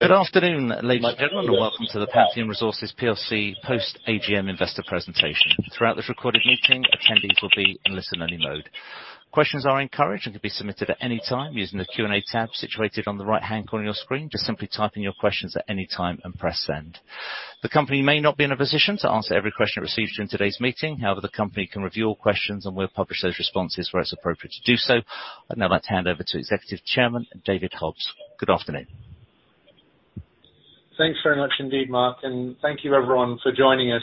Good afternoon, ladies and gentlemen. Welcome to the Pantheon Resources plc post AGM investor presentation. Throughout this recorded meeting, attendees will be in listen-only mode. Questions are encouraged and can be submitted at any time using the Q&A tab situated on the right-hand corner of your screen. Just simply type in your questions at any time and press send. The company may not be in a position to answer every question received during today's meeting. However, the company can review all questions, and we'll publish those responses where it's appropriate to do so. I'd now like to hand over to Executive Chairman David Hobbs. Good afternoon. Thanks very much indeed, Mark, and thank you everyone for joining us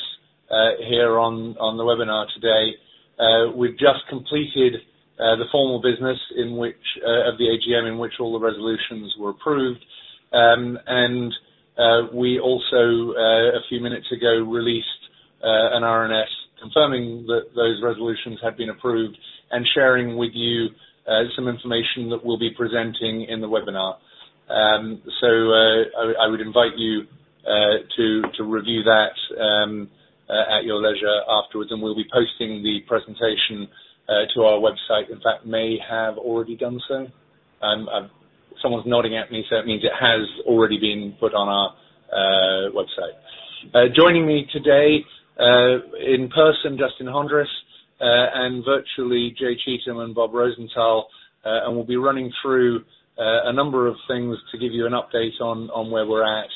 here on the webinar today. We've just completed the formal business of the AGM, in which all the resolutions were approved. We also a few minutes ago released an RNS confirming that those resolutions had been approved and sharing with you some information that we'll be presenting in the webinar. I would invite you to review that at your leisure afterwards, and we'll be posting the presentation to our website. In fact, we may have already done so. Someone's nodding at me, so it means it has already been put on our website. Joining me today in person, Justin Hondris, and virtually Jay Cheatham and Bob Rosenthal. We'll be running through a number of things to give you an update on where we're at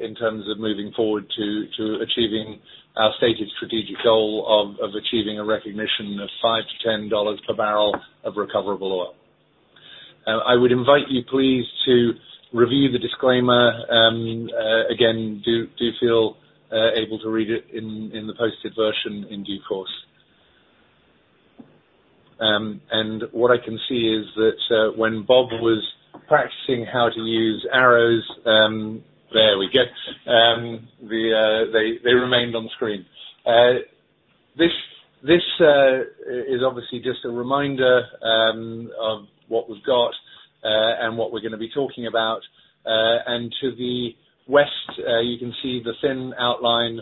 in terms of moving forward to achieving our stated strategic goal of achieving a recognition of $5-$10 per barrel of recoverable oil. I would invite you, please, to review the disclaimer. Again, do feel able to read it in the posted version in due course. What I can see is that when Bob was practicing how to use arrows, there we go, they remained on screen. This is obviously just a reminder of what we've got and what we're gonna be talking about. To the west, you can see the thin outline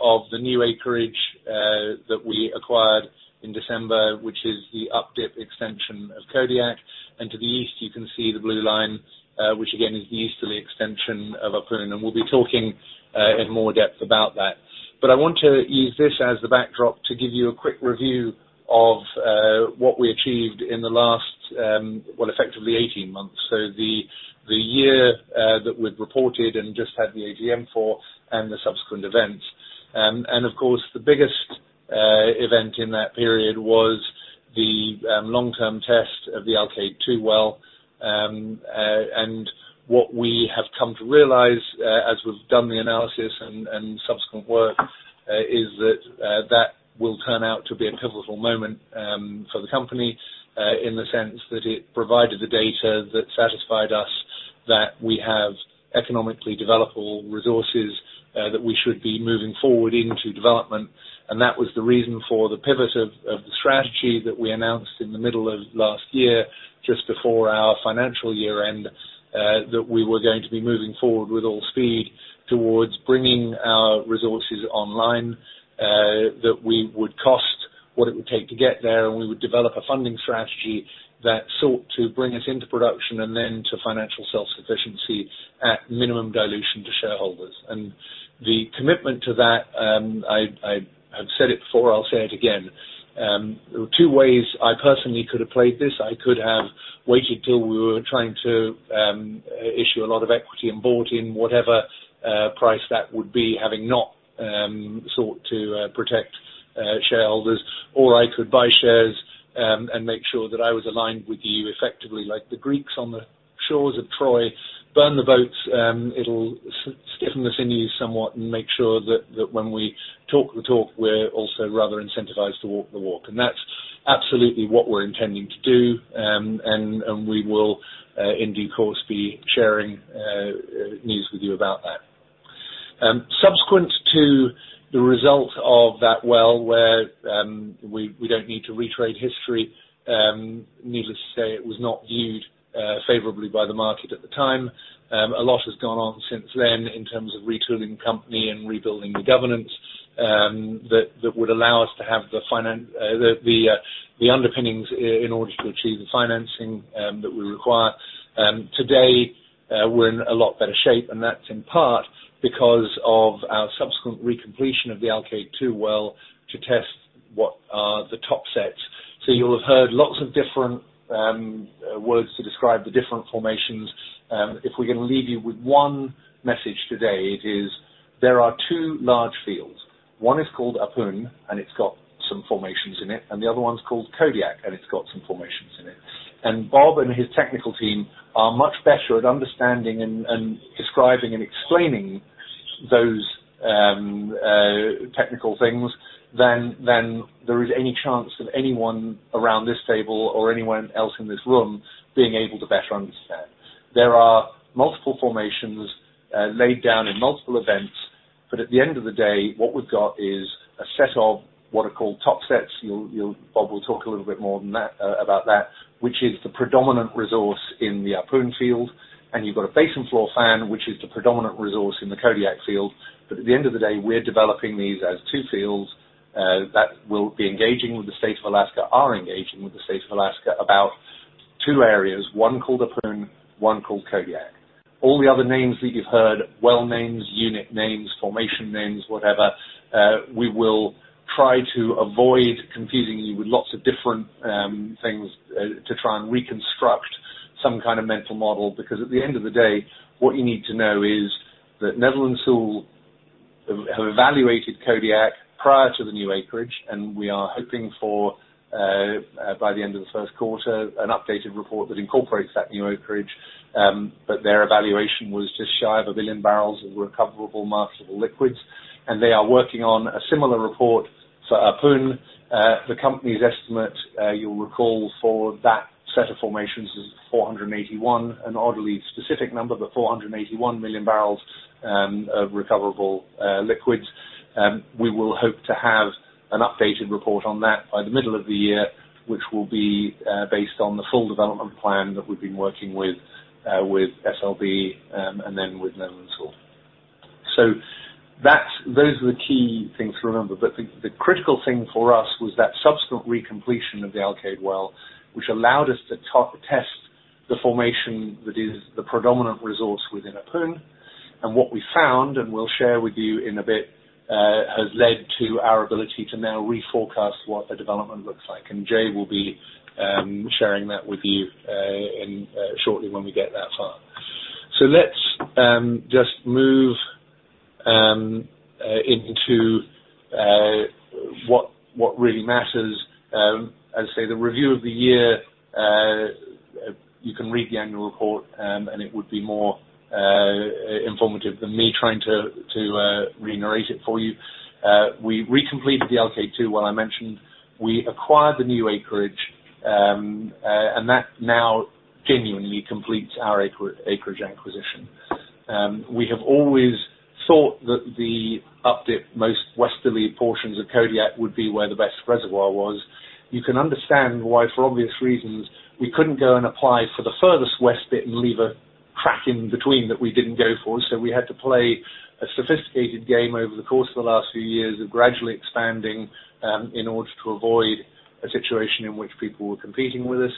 of the new acreage that we acquired in December, which is the up-dip extension of Kodiak. To the east, you can see the blue line, which again, is the easterly extension of our pool, and we'll be talking in more depth about that. I want to use this as the backdrop to give you a quick review of what we achieved in the last, well, effectively 18 months. The year that we've reported and just had the AGM for and the subsequent events. Of course, the biggest event in that period was the long-term test of the Alkaid-2 well. What we have come to realize as we've done the analysis and subsequent work is that that will turn out to be a pivotal moment for the company in the sense that it provided the data that satisfied us that we have economically developable resources that we should be moving forward into development. That was the reason for the pivot of the strategy that we announced in the middle of last year just before our financial year end that we were going to be moving forward with all speed towards bringing our resources online. That we would cost what it would take to get there, and we would develop a funding strategy that sought to bring us into production and then to financial self-sufficiency at minimum dilution to shareholders. The commitment to that, I've said it before, I'll say it again. There were two ways I personally could have played this. I could have waited till we were trying to issue a lot of equity and bought in whatever price that would be having not sought to protect shareholders. Or I could buy shares and make sure that I was aligned with you effectively, like the Greeks on the shores of Troy. Burn the boats, it'll stiffen the sinew somewhat and make sure that when we talk the talk, we're also rather incentivized to walk the walk. That's absolutely what we're intending to do. And we will in due course be sharing news with you about that. Subsequent to the result of that well, where we don't need to retread history. Needless to say, it was not viewed favorably by the market at the time. A lot has gone on since then in terms of retooling the company and rebuilding the governance that would allow us to have the underpinnings in order to achieve the financing that we require. Today, we're in a lot better shape, and that's in part because of our subsequent recompletion of the Alkaid-2 well to test what are the topsets. You'll have heard lots of different words to describe the different formations. If we can leave you with one message today, it is there are two large fields. One is called Ahpun, and it's got some formations in it, and the other one's called Kodiak, and it's got some formations in it. Bob and his technical team are much better at understanding and describing and explaining those technical things than there is any chance of anyone around this table or anyone else in this room being able to better understand. There are multiple formations laid down in multiple events. At the end of the day, what we've got is a set of what are called topsets. Bob will talk a little bit more about that, which is the predominant resource in the Ahpun field. You've got a Basin-Floor Fan, which is the predominant resource in the Kodiak field. At the end of the day, we're developing these as two fields that will be engaging with the State of Alaska, are engaging with the State of Alaska about two areas, one called Ahpun, one called Kodiak. All the other names that you've heard, well names, unit names, formation names, whatever, we will try to avoid confusing you with lots of different things to try and reconstruct some kind of mental model. Because at the end of the day, what you need to know is that Netherland, Sewell have evaluated Kodiak prior to the new acreage, and we are hoping for by the end of the first quarter, an updated report that incorporates that new acreage. Their evaluation was just shy of a billion barrels of recoverable marketable liquids, and they are working on a similar report for Ahpun. The company's estimate, you'll recall for that set of formations is 481. An oddly specific number, but 481 million barrels of recoverable liquids. We will hope to have an updated report on that by the middle of the year, which will be based on the full development plan that we've been working with SLB and then with Netherland Sewell. Those are the key things to remember. The critical thing for us was that subsequent recompletion of the Alkaid well, which allowed us to test the formation that is the predominant resource within Ahpun. What we found, and we'll share with you in a bit, has led to our ability to now reforecast what the development looks like. Jay will be sharing that with you shortly when we get that far. Let's just move into what really matters. As I say, the review of the year, you can read the annual report, and it would be more informative than me trying to re-narrate it for you. We recompleted the Alkaid-2 well I mentioned. We acquired the new acreage, and that now genuinely completes our acreage acquisition. We have always thought that the up-dip most westerly portions of Kodiak would be where the best reservoir was. You can understand why, for obvious reasons, we couldn't go and apply for the furthest west bit and leave a crack in between that we didn't go for. We had to play a sophisticated game over the course of the last few years of gradually expanding, in order to avoid a situation in which people were competing with us.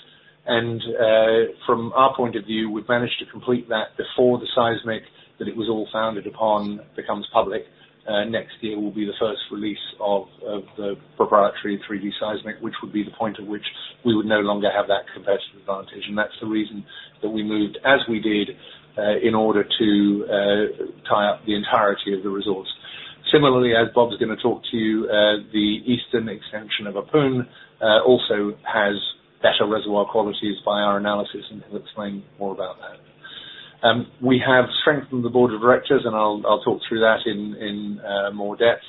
From our point of view, we've managed to complete that before the seismic that it was all founded upon becomes public. Next year will be the first release of the proprietary 3D seismic, which would be the point at which we would no longer have that competitive advantage. That's the reason that we moved as we did, in order to tie up the entirety of the resource. Similarly, as Bob's gonna talk to you, the eastern extension of Ahpun also has better reservoir qualities by our analysis, and he'll explain more about that. We have strengthened the board of directors, and I'll talk through that in more depth.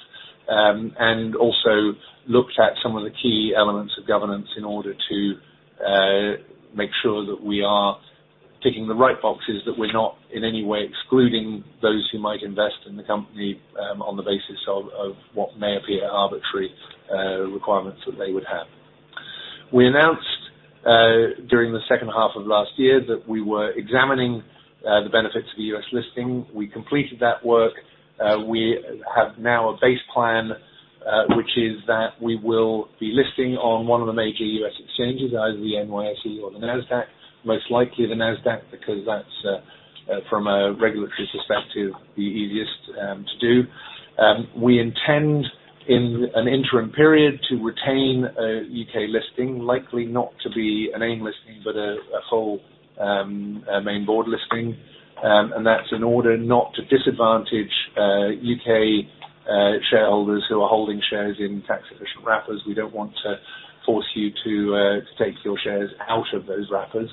We also looked at some of the key elements of governance in order to make sure that we are ticking the right boxes, that we're not in any way excluding those who might invest in the company on the basis of what may appear arbitrary requirements that they would have. We announced during the second half of last year that we were examining the benefits of the U.S. listing. We completed that work. We have now a base plan, which is that we will be listing on one of the major U.S. exchanges, either the NYSE or the Nasdaq. Most likely the Nasdaq, because that's from a regulatory perspective, the easiest to do. We intend in an interim period to retain a U.K. listing, likely not to be an AIM listing, but a full main board listing. And that's in order not to disadvantage U.K. shareholders who are holding shares in tax-efficient wrappers. We don't want to force you to take your shares out of those wrappers.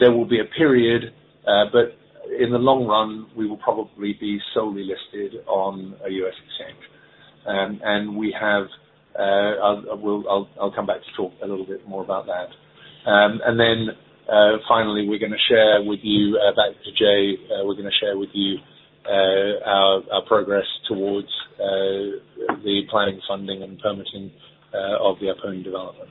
There will be a period, but in the long run, we will probably be solely listed on a U.S. exchange. And we have, I'll come back to talk a little bit more about that. Finally, we're gonna share with you our progress towards the planning, funding, and permitting of the Ahpun development.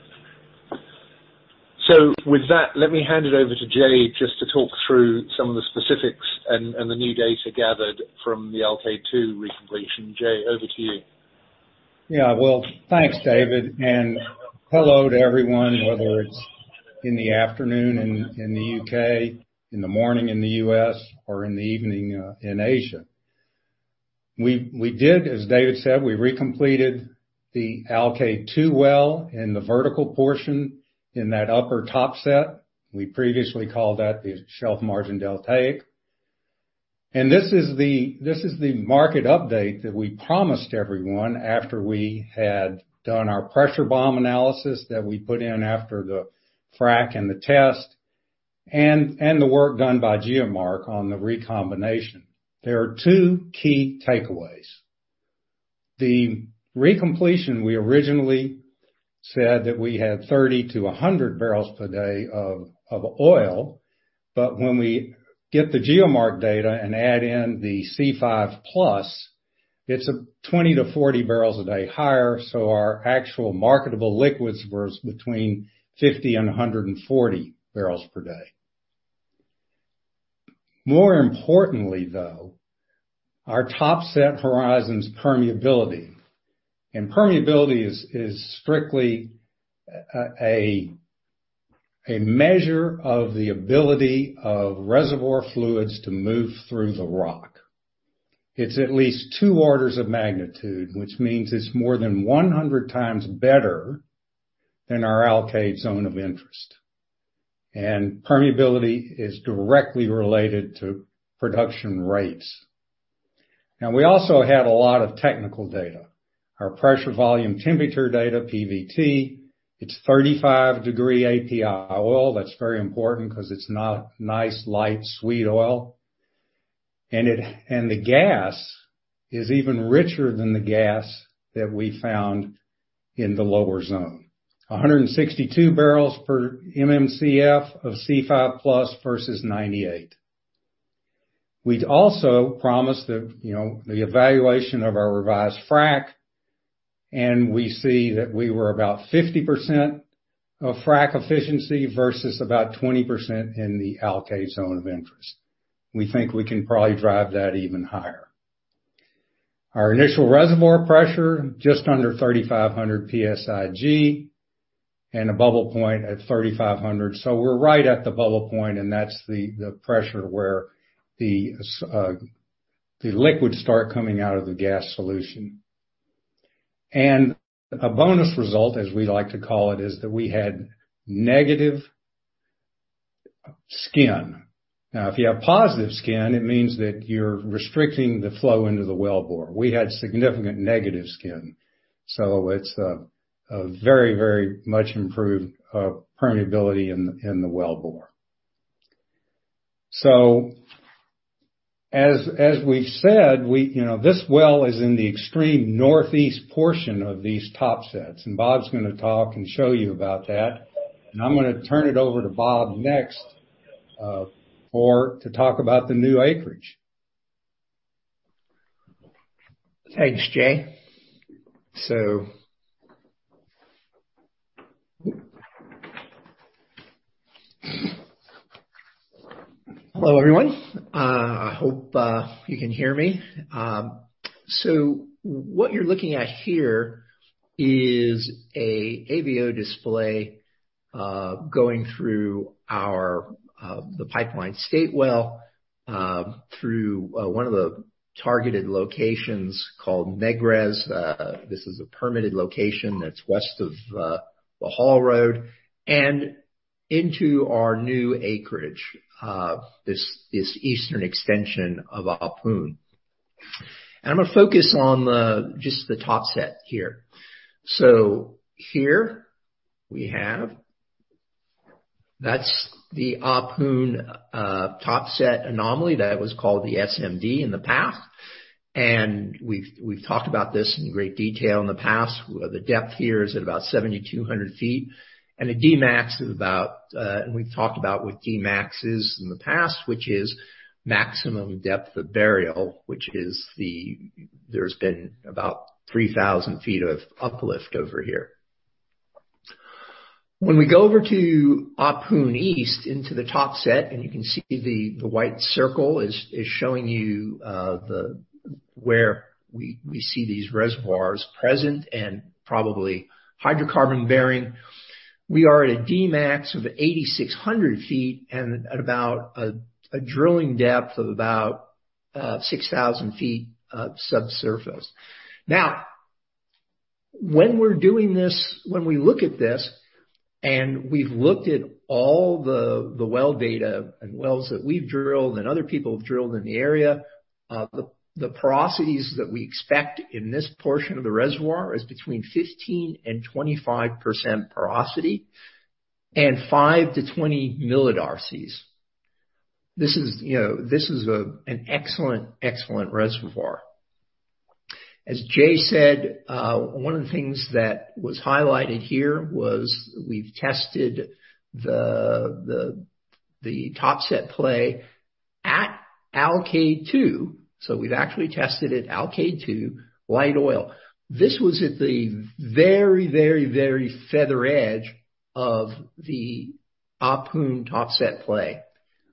With that, let me hand it over to Jay just to talk through some of the specifics and the new data gathered from the Alkaid-2 recompletion. Jay, over to you. Well, thanks, David, and hello to everyone, whether it's in the afternoon in the U.K., in the morning in the U.S. or in the evening in Asia. We did, as David said, we recompleted the Alkaid-2 well in the vertical portion in that upper topset. We previously called that the Shelf Margin Deltaic. This is the market update that we promised everyone after we had done our pressure bomb analysis that we put in after the frack and the test and the work done by GeoMark on the recombination. There are two key takeaways. The recompletion, we originally said that we had 30-100 barrels per day of oil. When we get the GeoMark data and add in the C5+. It's 20-40 barrels a day higher, so our actual marketable liquids were between 50 and 140 barrels per day. More importantly, though, our topsets permeability. Permeability is strictly a measure of the ability of reservoir fluids to move through the rock. It's at least two orders of magnitude, which means it's more than 100x better than our Alkaid zone of interest. Permeability is directly related to production rates. Now, we also have a lot of technical data. Our pressure volume temperature data, PVT, it's 35 degree API oil. That's very important 'cause it's not nice, light, sweet oil. The gas is even richer than the gas that we found in the lower zone. 162 barrels per MMCF of C5+ versus 98. We'd also promised the, you know, the evaluation of our revised frack, and we see that we were about 50% of frack efficiency versus about 20% in the Alkaid zone of interest. We think we can probably drive that even higher. Our initial reservoir pressure just under 3,500 PSIG, and a bubble point at 3,500. We're right at the bubble point, and that's the pressure where the liquids start coming out of the gas solution. A bonus result, as we like to call it, is that we had negative skin. Now, if you have positive skin, it means that you're restricting the flow into the wellbore. We had significant negative skin, so it's a very much improved permeability in the wellbore. As we said, you know, this well is in the extreme northeast portion of these topsets, and Bob's gonna talk and show you about that. I'm gonna turn it over to Bob next, for to talk about the new acreage. Thanks, Jay. Hello, everyone. I hope you can hear me. What you're looking at here is a AVO display, going through our pipeline state well, through one of the targeted locations called Megrez. This is a permitted location that's west of the Haul Road and into our new acreage, this eastern extension of our Ahpun. I'm gonna focus on just the top set here. Here we have. That's the Ahpun top set anomaly that was called the SMD in the past. We've talked about this in great detail in the past. The depth here is at about 7,200 ft, and the Dmax is about, and we've talked about what Dmax is in the past, which is maximum depth of burial, which is the. There's been about 3,000 ft of uplift over here. When we go over to Ahpun East into the topsets, and you can see the white circle is showing you where we see these reservoirs present and probably hydrocarbon-bearing. We are at a Dmax of 8,600 ft and at about a drilling depth of about 6,000 ft subsurface. Now, when we're doing this, when we look at this, and we've looked at all the well data and wells that we've drilled and other people have drilled in the area, the porosities that we expect in this portion of the reservoir is between 15% and 25% porosity and 5 mD-20 mD. This is, you know, this is an excellent reservoir. As Jay said, one of the things that was highlighted here was we've tested the topset play at Alkaid-2, so we've actually tested at Alkaid-2 light oil. This was at the very feather edge of the Ahpun topset play.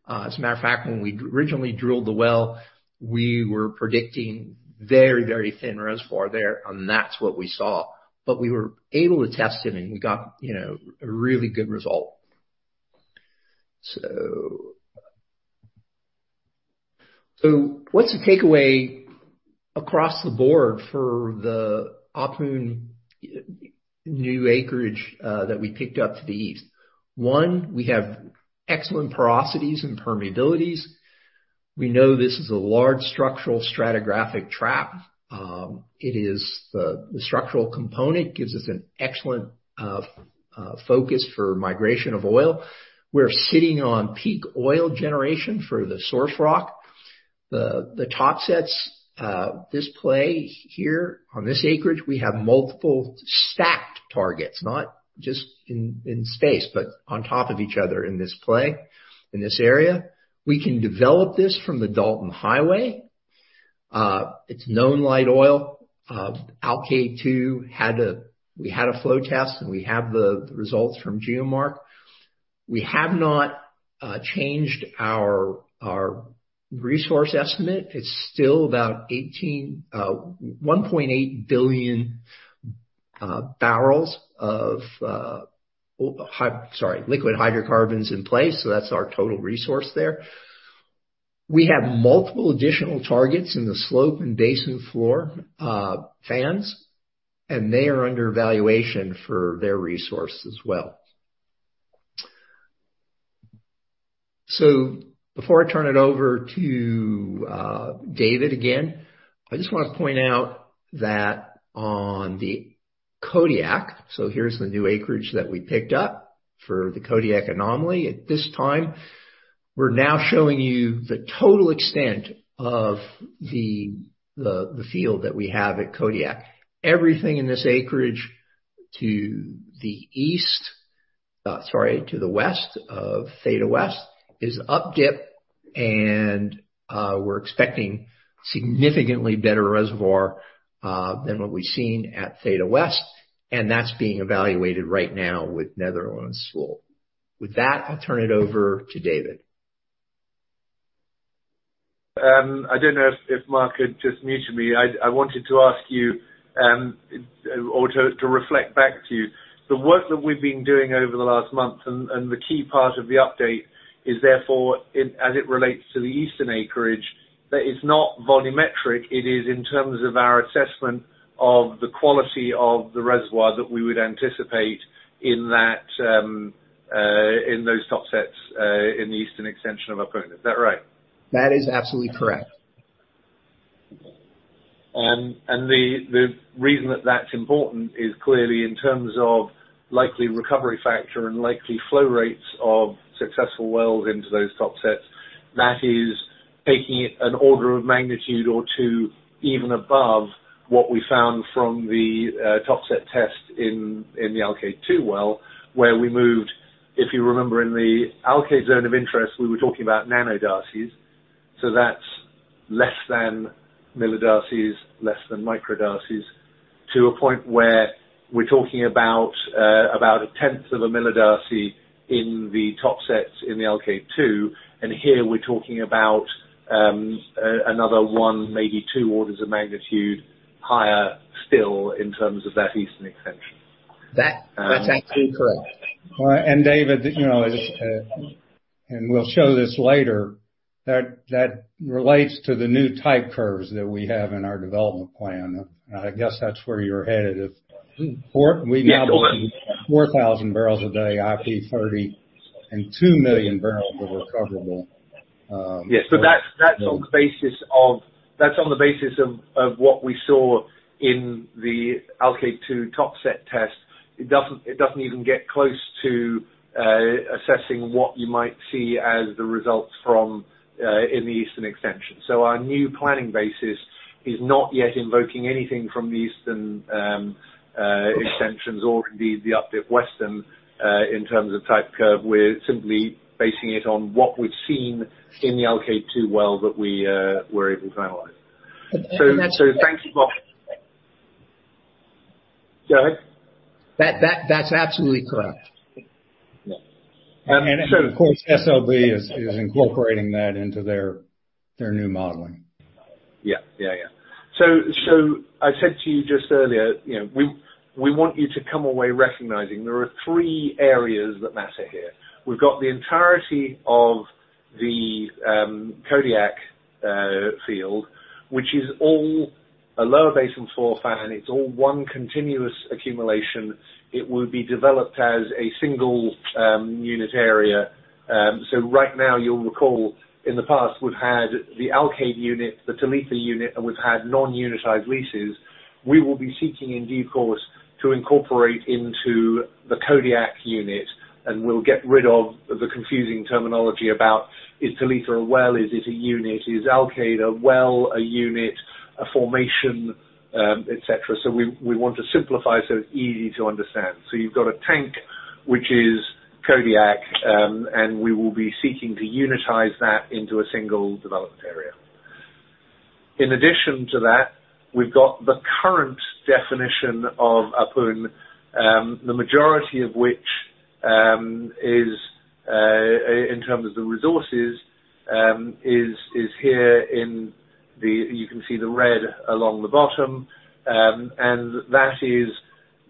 As a matter of fact, when we originally drilled the well, we were predicting very thin reservoir there, and that's what we saw. We were able to test it and we got, you know, a really good result. What's the takeaway across the board for the Ahpun new acreage that we picked up to the east? One, we have excellent porosities and permeabilities. We know this is a large structural stratigraphic trap. It is the structural component gives us an excellent focus for migration of oil. We're sitting on peak oil generation for the source rock. The topsets, this play here on this acreage, we have multiple stacked targets, not just in space, but on top of each other in this play, in this area. We can develop this from the Dalton Highway. It's known light oil. Alkaid-2 had a flow test, and we have the results from GeoMark. We have not changed our resource estimate. It's still about 1.8 billion barrels of liquid hydrocarbons in place. So that's our total resource there. We have multiple additional targets in the slope and basin floor fans, and they are under evaluation for their resource as well. Before I turn it over to David again, I just wanna point out that on the Kodiak, so here's the new acreage that we picked up for the Kodiak anomaly at this time. We're now showing you the total extent of the field that we have at Kodiak. Everything in this acreage to the west of Theta West is up dip, and we're expecting significantly better reservoir than what we've seen at Theta West, and that's being evaluated right now with Netherland Sewell. With that, I'll turn it over to David. I don't know if Mark had just muted me. I wanted to ask you or to reflect back to you the work that we've been doing over the last month, and the key part of the update is therefore in as it relates to the eastern acreage, that it's not volumetric. It is in terms of our assessment of the quality of the reservoir that we would anticipate in that in those top sets in the eastern extension of our point. Is that right? That is absolutely correct. The reason that that's important is clearly in terms of likely recovery factor and likely flow rates of successful wells into those top sets. That is taking it an order of magnitude or two, even above what we found from the top set test in the Alkaid-2 well. If you remember in the Alkaid zone of interest, we were talking about nanodarcy. So that's less than millidarcy, less than microdarcy, to a point where we're talking about about a 10th of a millidarcy in the top sets in the Alkaid-2, and here we're talking about another one, maybe two orders of magnitude higher still in terms of that eastern extension. That- Um. That's absolutely correct. Well, David, you know, and we'll show this later, that relates to the new type curves that we have in our development plan. I guess that's where you're headed if- Mm-hmm. Four, we now- Yeah, go on. 4,000 barrels a day, IP 30, and 2 million barrels that are recoverable. Yes. That's on the basis of what we saw in the Alkaid-2 topsets test. It doesn't even get close to assessing what you might see as the results from the eastern extension. Our new planning basis is not yet invoking anything from the eastern extensions or indeed the uplift western in terms of type curve. We're simply basing it on what we've seen in the Alkaid-2 well that we were able to analyze. That's- Thank you, Mark. Go ahead. That's absolutely correct. Yeah. Of course, SLB is incorporating that into their new modeling. Yeah. I said to you just earlier, you know, we want you to come away recognizing there are three areas that matter here. We've got the entirety of the Kodiak field, which is all a lower Basin-Floor Fan. It's all one continuous accumulation. It will be developed as a single unit area. Right now you'll recall in the past we've had the Alkaid unit, the Talitha unit, and we've had non-unitized leases. We will be seeking in due course to incorporate into the Kodiak unit, and we'll get rid of the confusing terminology about is Talitha a well, is it a unit? Is Alkaid a well, a unit, a formation, et cetera? We want to simplify so it's easy to understand. You've got a tank which is Kodiak, and we will be seeking to unitize that into a single development area. In addition to that, we've got the current definition of Ahpun, the majority of which, in terms of the resources, is here. You can see the red along the bottom.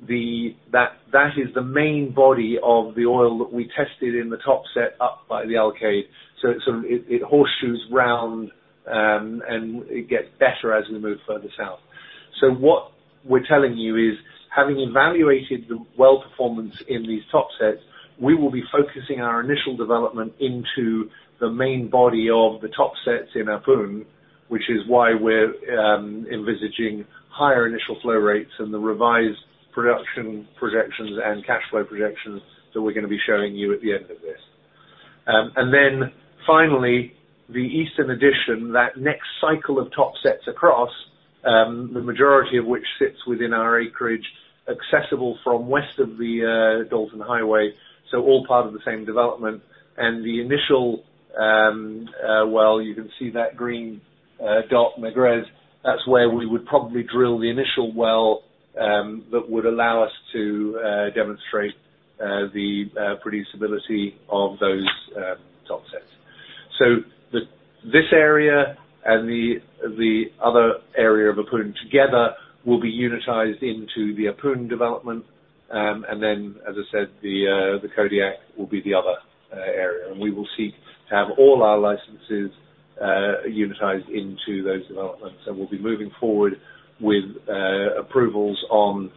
That is the main body of the oil that we tested in the topset up by the Alkaid. It sort of horseshoes round, and it gets better as we move further south. What we're telling you is, having evaluated the well performance in these topsets, we will be focusing our initial development into the main body of the topsets in Ahpun, which is why we're envisaging higher initial flow rates and the revised production projections and cash flow projections that we're gonna be showing you at the end of this. Finally, the eastern addition, that next cycle of topsets across the majority of which sits within our acreage, accessible from west of the Dalton Highway, so all part of the same development. The initial well, you can see that green dot, Megrez. That's where we would probably drill the initial well that would allow us to demonstrate the producibility of those topsets. This area and the other area of Ahpun together will be unitized into the Ahpun development. Then, as I said, the Kodiak will be the other area. We will seek to have all our licenses unitized into those developments. We'll be moving forward with approvals on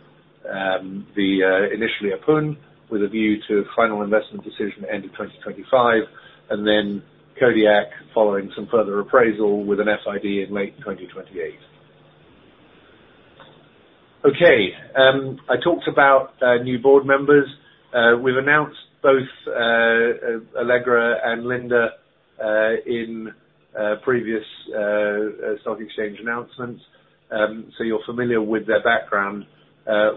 initially Ahpun, with a view to final investment decision end of 2025. Then Kodiak following some further appraisal with a FID in late 2028. Okay. I talked about new board members. We've announced both Allegra and Linda in previous stock exchange announcements. You're familiar with their background.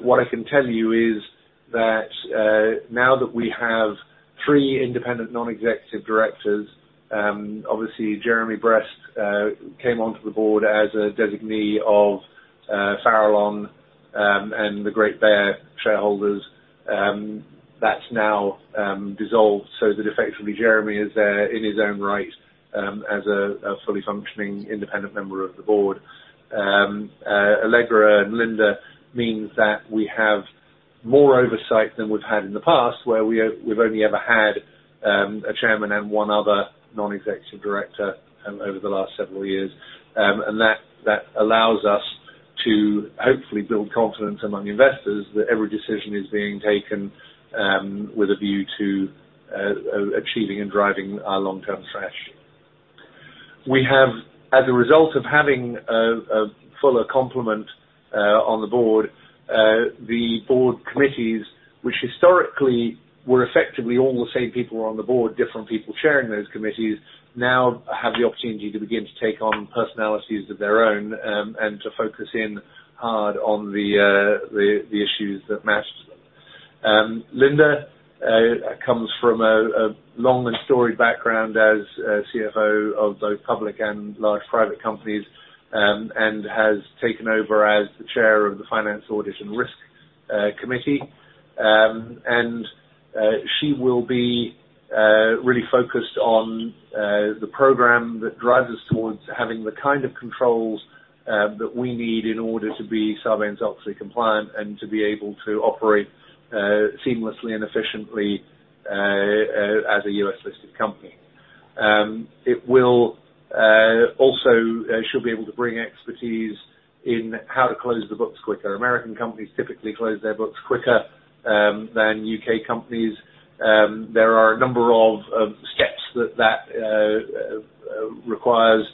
What I can tell you is that now that we have three independent non-executive directors, obviously Jeremy Brest came onto the board as a designee of Farallon and the Great Bear shareholders, that's now dissolved. That effectively Jeremy is there in his own right as a fully functioning independent member of the board. Allegra and Linda means that we have more oversight than we've had in the past, where we've only ever had a chairman and one other non-executive director over the last several years. That allows us to hopefully build confidence among investors that every decision is being taken with a view to achieving and driving our long-term strategy. We have, as a result of having a fuller complement on the board, the board committees, which historically were effectively all the same people on the board, different people chairing those committees, now have the opportunity to begin to take on personalities of their own, and to focus in hard on the issues that match them. Linda comes from a long and storied background as a CFO of both public and large private companies, and has taken over as the chair of the Finance, Audit and Risk Committee. She will be really focused on the program that drives us towards having the kind of controls that we need in order to be Sarbanes-Oxley compliant and to be able to operate seamlessly and efficiently as a U.S.-listed company. It will also, she'll be able to bring expertise in how to close the books quicker. American companies typically close their books quicker than U.K. companies. There are a number of steps that requires.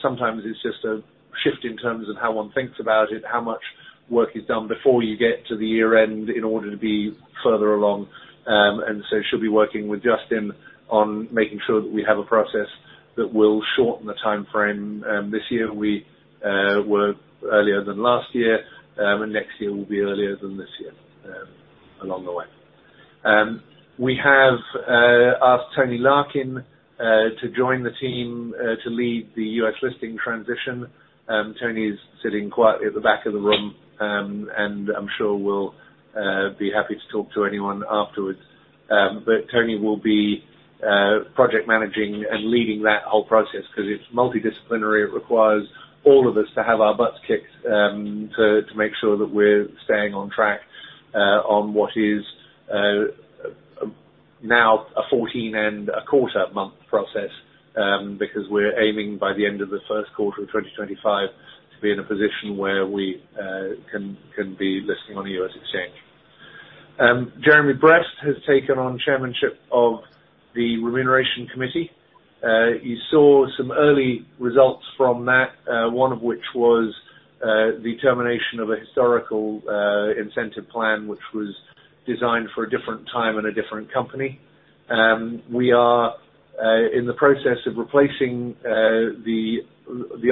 Sometimes it's just a shift in terms of how one thinks about it, how much work is done before you get to the year-end in order to be further along. She'll be working with Justin on making sure that we have a process that will shorten the timeframe. This year we were earlier than last year. Next year we'll be earlier than this year along the way. We have asked Tony Larkin to join the team to lead the U.S. listing transition. Tony is sitting quietly at the back of the room, and I'm sure will be happy to talk to anyone afterwards. Tony will be project managing and leading that whole process 'cause it's multidisciplinary. It requires all of us to have our butts kicked to make sure that we're staying on track on what is now a 14.25-month process. Because we're aiming by the end of the first quarter of 2025 to be in a position where we can be listed on the U.S. exchange. Jeremy Brest has taken on chairmanship of the Remuneration Committee. You saw some early results from that, one of which was the termination of a historical incentive plan, which was designed for a different time and a different company. We are in the process of replacing the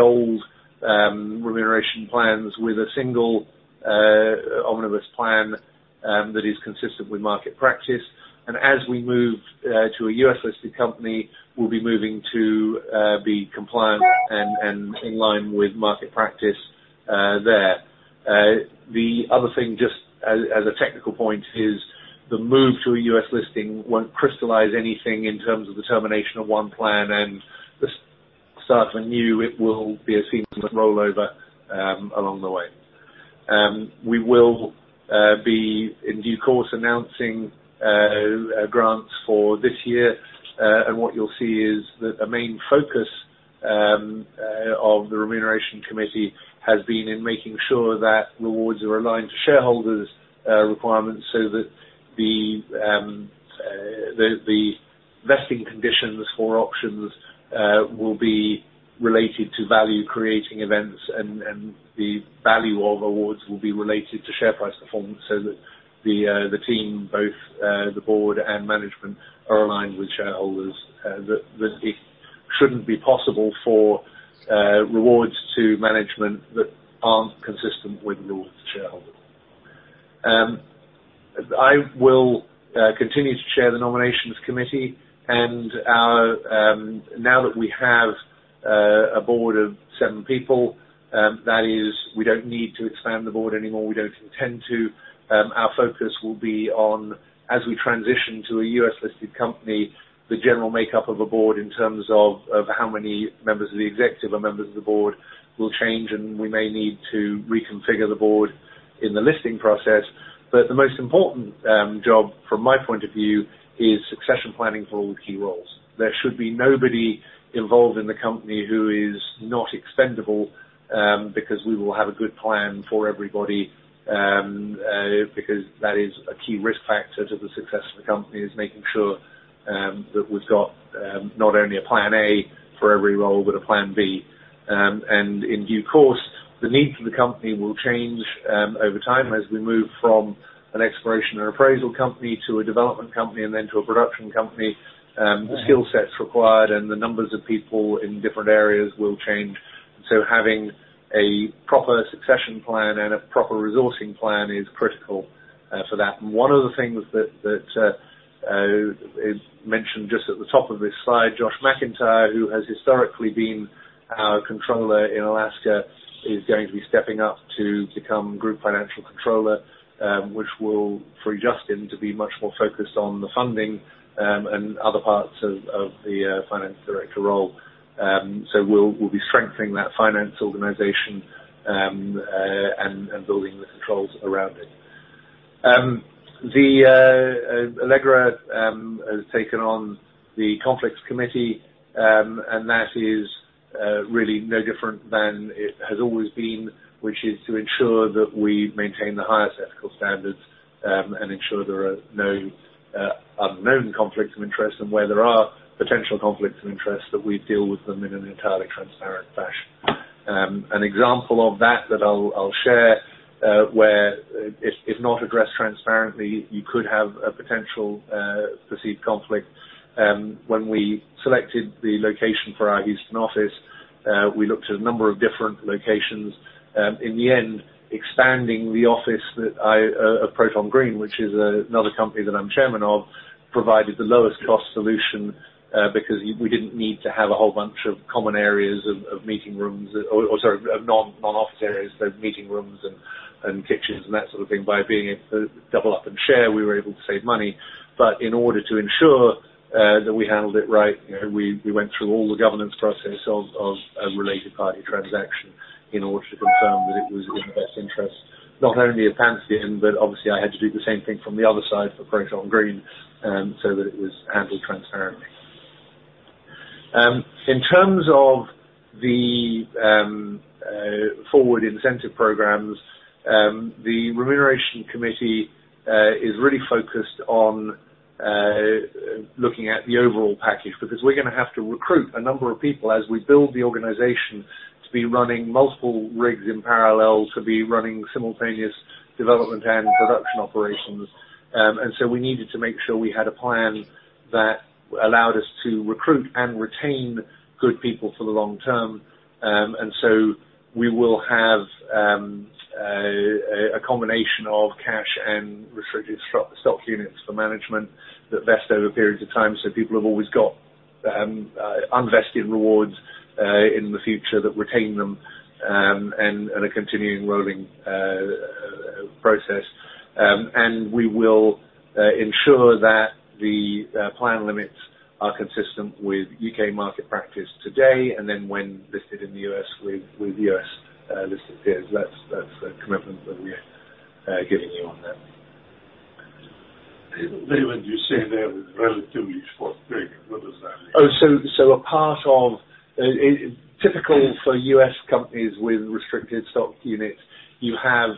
old remuneration plans with a single omnibus plan that is consistent with market practice. As we move to a U.S.-listed company, we'll be moving to be compliant and in line with market practice there. The other thing, just as a technical point, is the move to a U.S. listing won't crystallize anything in terms of the termination of one plan and the start of a new. It will be a seamless rollover along the way. We will be in due course announcing grants for this year. What you'll see is that the main focus of the Remuneration Committee has been in making sure that rewards are aligned to shareholders' requirements so that the vesting conditions for options will be related to value creating events and the value of awards will be related to share price performance so that the team, both the board and management are aligned with shareholders, that it shouldn't be possible for rewards to management that aren't consistent with rewards to shareholders. I will continue to chair the Nominations Committee. Now that we have a board of seven people, that is, we don't need to expand the board anymore. We don't intend to. Our focus will be on, as we transition to a U.S. listed company, the general makeup of a board in terms of how many members of the executive are members of the board will change, and we may need to reconfigure the board in the listing process. The most important job from my point of view is succession planning for all the key roles. There should be nobody involved in the company who is not expendable, because we will have a good plan for everybody, because that is a key risk factor to the success of the company, is making sure that we've got not only a plan A for every role, but a plan B. In due course, the needs of the company will change, over time as we move from an exploration and appraisal company to a development company and then to a production company. The skill sets required and the numbers of people in different areas will change. Having a proper succession plan and a proper resourcing plan is critical, for that. One of the things that is mentioned just at the top of this slide, Josh McIntyre, who has historically been our Controller in Alaska, is going to be stepping up to become Group Financial Controller, which will free Justin to be much more focused on the funding, and other parts of the Finance Director role. We'll be strengthening that finance organization, and building the controls around it. Allegra has taken on the conflicts committee, and that is really no different than it has always been, which is to ensure that we maintain the highest ethical standards, and ensure there are no unknown conflicts of interest, and where there are potential conflicts of interest, that we deal with them in an entirely transparent fashion. An example of that that I'll share, where if not addressed transparently, you could have a potential perceived conflict. When we selected the location for our Houston office, we looked at a number of different locations. In the end, expanding the office of Proton Green, which is another company that I'm chairman of, provided the lowest cost solution because we didn't need to have a whole bunch of common areas of meeting rooms or sort of non-office areas, so meeting rooms and kitchens and that sort of thing. By being able to double up and share, we were able to save money. In order to ensure that we handled it right, you know, we went through all the governance processes of a related party transaction in order to confirm that it was in the best interest, not only of Pantheon, but obviously I had to do the same thing from the other side for Proton Green, so that it was handled transparently. In terms of the forward incentive programs, the Remuneration Committee is really focused on looking at the overall package, because we're gonna have to recruit a number of people as we build the organization to be running multiple rigs in parallel, to be running simultaneous development and production operations. We needed to make sure we had a plan that allowed us to recruit and retain good people for the long term. We will have a combination of cash and restricted stock units for management that vest over periods of time, so people have always got unvested rewards in the future that retain them, and a continuing rolling process. We will ensure that the plan limits are consistent with U.K. market practice today, and then when listed in the U.S. with U.S. listed peers. That's a commitment that we're giving you on that. Leland, you say they're with relatively spot grading. What does that mean? A part of typical for U.S. companies with restricted stock units, you have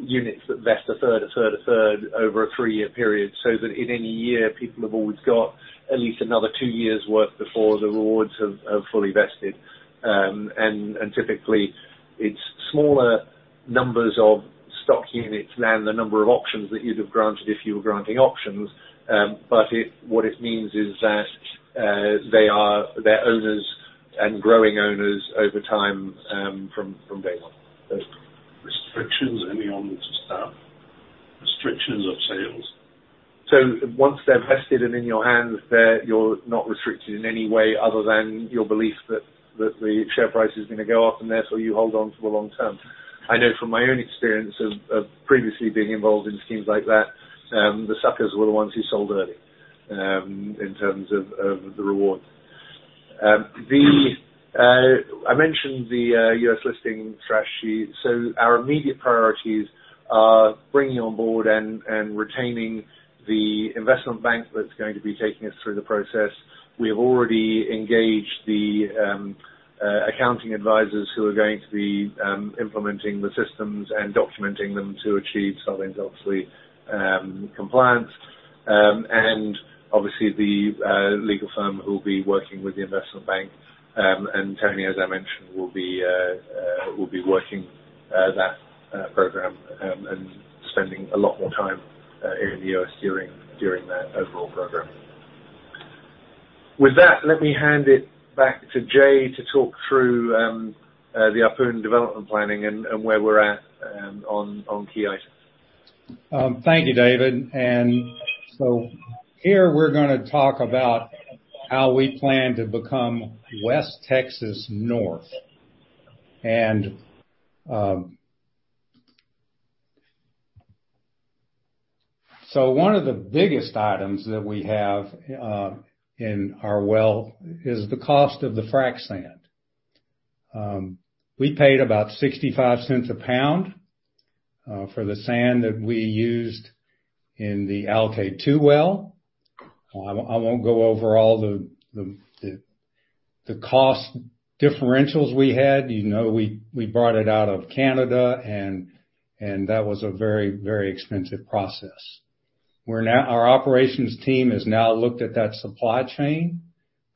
units that vest a third over a three-year period, so that in any year, people have always got at least another two years worth before the rewards have fully vested. Typically it's smaller numbers of stock units than the number of options that you'd have granted if you were granting options. But what it means is that they are they're owners and growing owners over time from day one. Restrictions on staff, restrictions on sales? Once they're vested and in your hands, they're, you're not restricted in any way other than your belief that the share price is gonna go up, and therefore you hold on for the long term. I know from my own experience of previously being involved in schemes like that, the suckers were the ones who sold early, in terms of the reward. I mentioned the U.S. listing strategy. Our immediate priorities are bringing on board and retaining the investment bank that's going to be taking us through the process. We have already engaged the accounting advisors who are going to be implementing the systems and documenting them to achieve Sarbanes-Oxley, obviously, compliance. And obviously the legal firm who will be working with the investment bank. Tony, as I mentioned, will be working on that program and spending a lot more time in the U.S. during that overall program. With that, let me hand it back to Jay to talk through the Ahpun development planning and where we're at on key items. Thank you, David. Here we're gonna talk about how we plan to become West Texas North. One of the biggest items that we have in our well is the cost of the frac sand. We paid about $0.65 a pound for the sand that we used in the Alkaid-2 well. I won't go over all the cost differentials we had. You know, we brought it out of Canada and that was a very, very expensive process. Our operations team has now looked at that supply chain.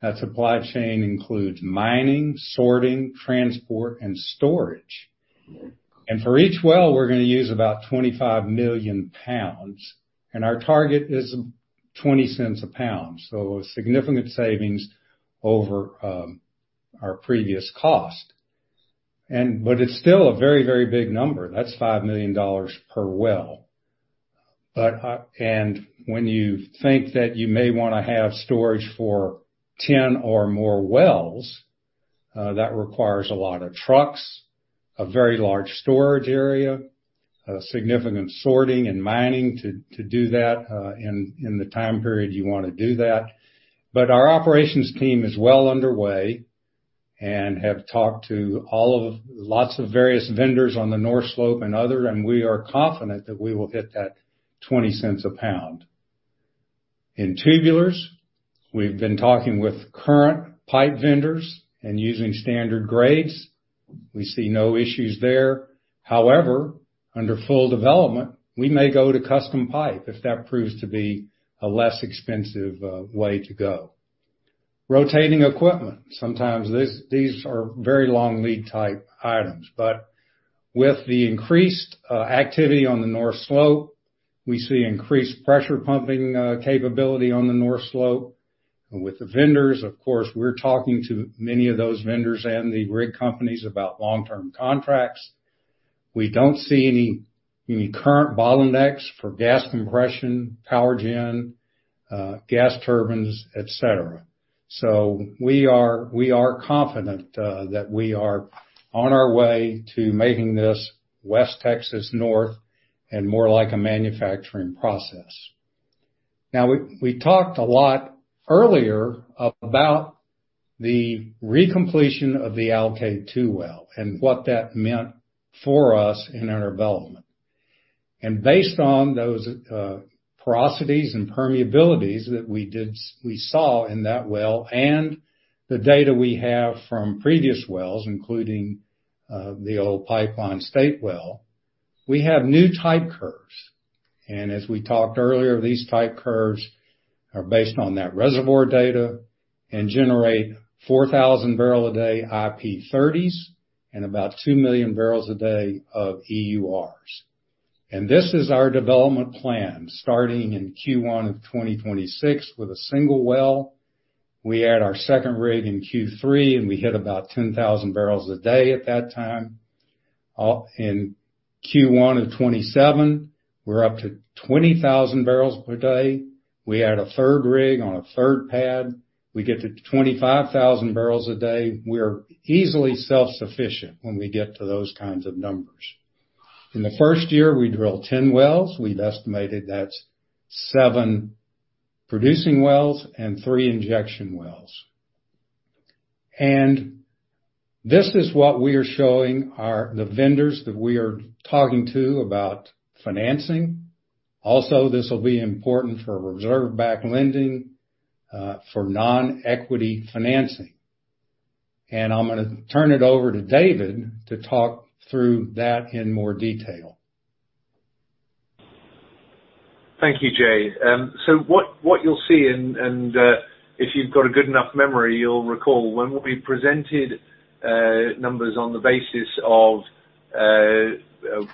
That supply chain includes mining, sorting, transport, and storage. For each well, we're gonna use about 25 million pounds, and our target is $0.20 a pound. A significant savings over our previous cost. It's still a very, very big number. That's $5 million per well. When you think that you may wanna have storage for 10 or more wells, that requires a lot of trucks, a very large storage area, a significant sorting and mining to do that, in the time period you wanna do that. Our operations team is well underway and have talked to all of lots of various vendors on the North Slope and other, and we are confident that we will hit that $0.20 a pound. In tubulars, we've been talking with current pipe vendors and using standard grades. We see no issues there. However, under full development, we may go to custom pipe if that proves to be a less expensive way to go. Rotating equipment. Sometimes these are very long lead type items, but with the increased activity on the North Slope, we see increased pressure pumping capability on the North Slope. With the vendors, of course, we're talking to many of those vendors and the rig companies about long-term contracts. We don't see any current bottlenecks for gas compression, power gen, gas turbines, et cetera. We are confident that we are on our way to making this West Texas North and more like a manufacturing process. Now, we talked a lot earlier about the recompletion of the Alkaid-2 well and what that meant for us in our development. Based on those porosities and permeabilities that we saw in that well and the data we have from previous wells, including the old Pipeline State well, we have new type curves. As we talked earlier, these type curves are based on that reservoir data and generate 4,000 barrel a day IP30s and about 2 million barrels of EURs. This is our development plan starting in Q1 of 2026 with a single well. We add our second rig in Q3, and we hit about 10,000 barrels a day at that time. All in Q1 of 2027, we're up to 20,000 barrels per day. We add a third rig on a third pad, we get to 25,000 barrels a day. We're easily self-sufficient when we get to those kinds of numbers. In the first year, we drill 10 wells. We've estimated that's seven producing wells and three injection wells. This is what we are showing the vendors that we are talking to about financing. Also, this will be important for reserve-based lending, for non-equity financing. I'm gonna turn it over to David to talk through that in more detail. Thank you, Jay. What you'll see and if you've got a good enough memory, you'll recall when we presented numbers on the basis of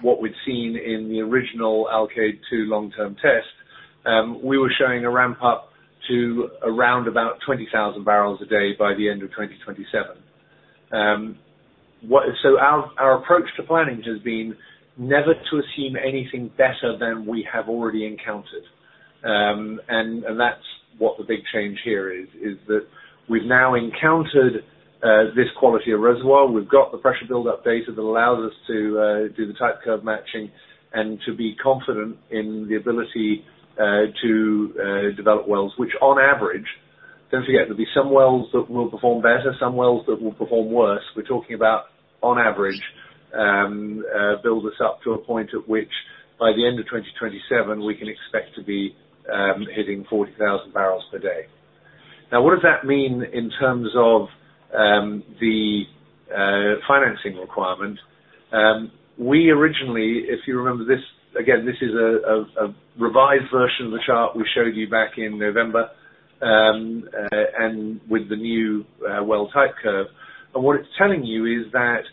what we'd seen in the original Alkaid-2 long-term test, we were showing a ramp-up to around about 20,000 barrels a day by the end of 2027. Our approach to planning has been never to assume anything better than we have already encountered. That's what the big change here is, that we've now encountered this quality of reservoir. We've got the pressure buildup data that allows us to do the type curve matching and to be confident in the ability to develop wells, which on average, don't forget, there'll be some wells that will perform better, some wells that will perform worse. We're talking about on average, build this up to a point at which by the end of 2027, we can expect to be hitting 40,000 barrels per day. Now, what does that mean in terms of the financing requirement? We originally, if you remember this, again, this is a revised version of the chart we showed you back in November, with the new well type curve. What it's telling you is that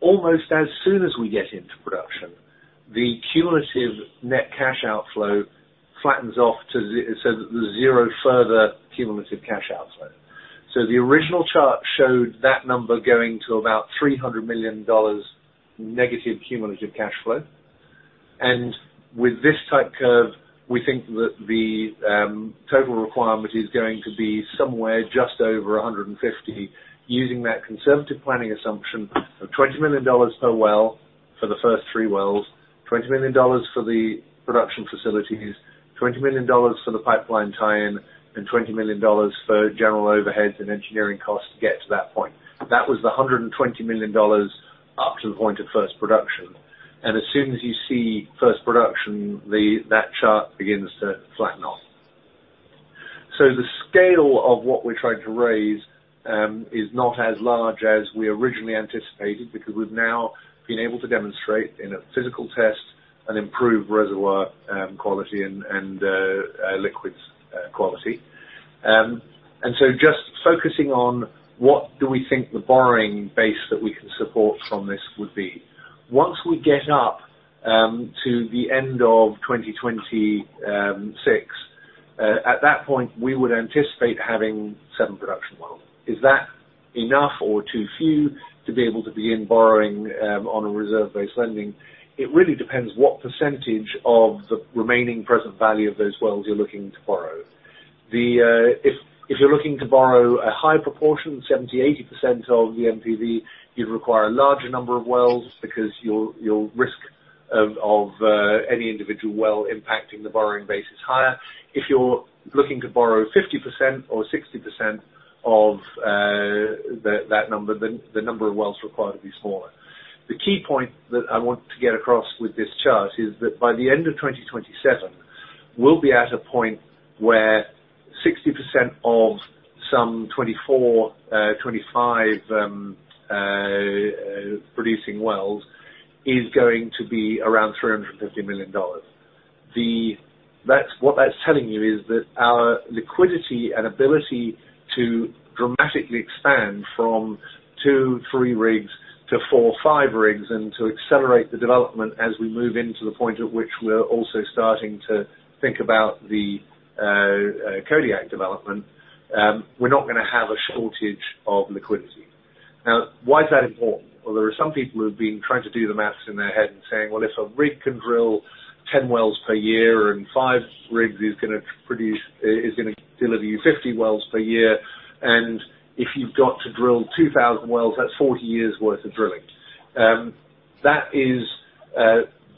almost as soon as we get into production, the cumulative net cash outflow flattens off to zero so that there's zero further cumulative cash outflow. The original chart showed that number going to about $300 million negative cumulative cash flow. With this type curve, we think that the total requirement is going to be somewhere just over $150 million, using that conservative planning assumption of $20 million per well for the first three wells, $20 million for the production facilities, $20 million for the pipeline tie-in, and $20 million for general overheads and engineering costs to get to that point. That was the $120 million up to the point of first production. As soon as you see first production, that chart begins to flatten off. The scale of what we're trying to raise is not as large as we originally anticipated, because we've now been able to demonstrate in a physical test an improved reservoir quality and liquids quality. Just focusing on what do we think the borrowing base that we can support from this would be? Once we get up to the end of 2026, at that point, we would anticipate having seven production wells. Is that enough or too few to be able to begin borrowing on a reserve-based lending? It really depends what percentage of the remaining present value of those wells you're looking to borrow. If you're looking to borrow a high proportion, 70%, 80% of the NPV, you'd require a larger number of wells because your risk of any individual well impacting the borrowing base is higher. If you're looking to borrow 50% or 60% of that number, then the number of wells required would be smaller. The key point that I want to get across with this chart is that by the end of 2027, we'll be at a point where 60% of some 24, 25 producing wells is going to be around $350 million. That's what that's telling you is that our liquidity and ability to dramatically expand from two, three rigs to four, five rigs and to accelerate the development as we move into the point at which we're also starting to think about the Kodiak development, we're not gonna have a shortage of liquidity. Now, why is that important? Well, there are some people who have been trying to do the math in their head and saying, "Well, if a rig can drill 10 wells per year and five rigs is gonna produce. It's gonna deliver you 50 wells per year, and if you've got to drill 2,000 wells, that's 40 years worth of drilling." That is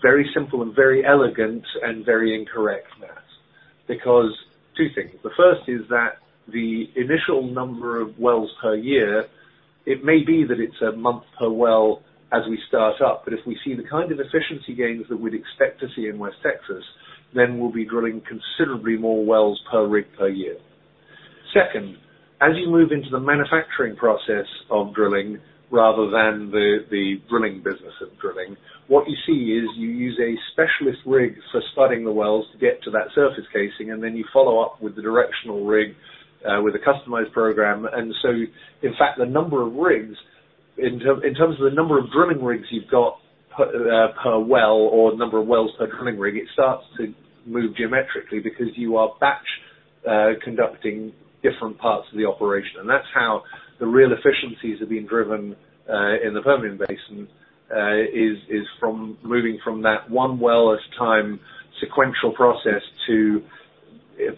very simple and very elegant and very incorrect math. Because two things. The first is that the initial number of wells per year, it may be that it's a month per well as we start up, but if we see the kind of efficiency gains that we'd expect to see in West Texas, then we'll be drilling considerably more wells per rig per year. Second, as you move into the manufacturing process of drilling rather than the drilling business of drilling, what you see is you use a specialist rig for spudding the wells to get to that surface casing, and then you follow up with the directional rig with a customized program. In fact, the number of rigs in terms of the number of drilling rigs you've got per well or number of wells per drilling rig, it starts to move geometrically because you are batch conducting different parts of the operation. That's how the real efficiencies are being driven in the Permian Basin is from moving from that one well at a time sequential process to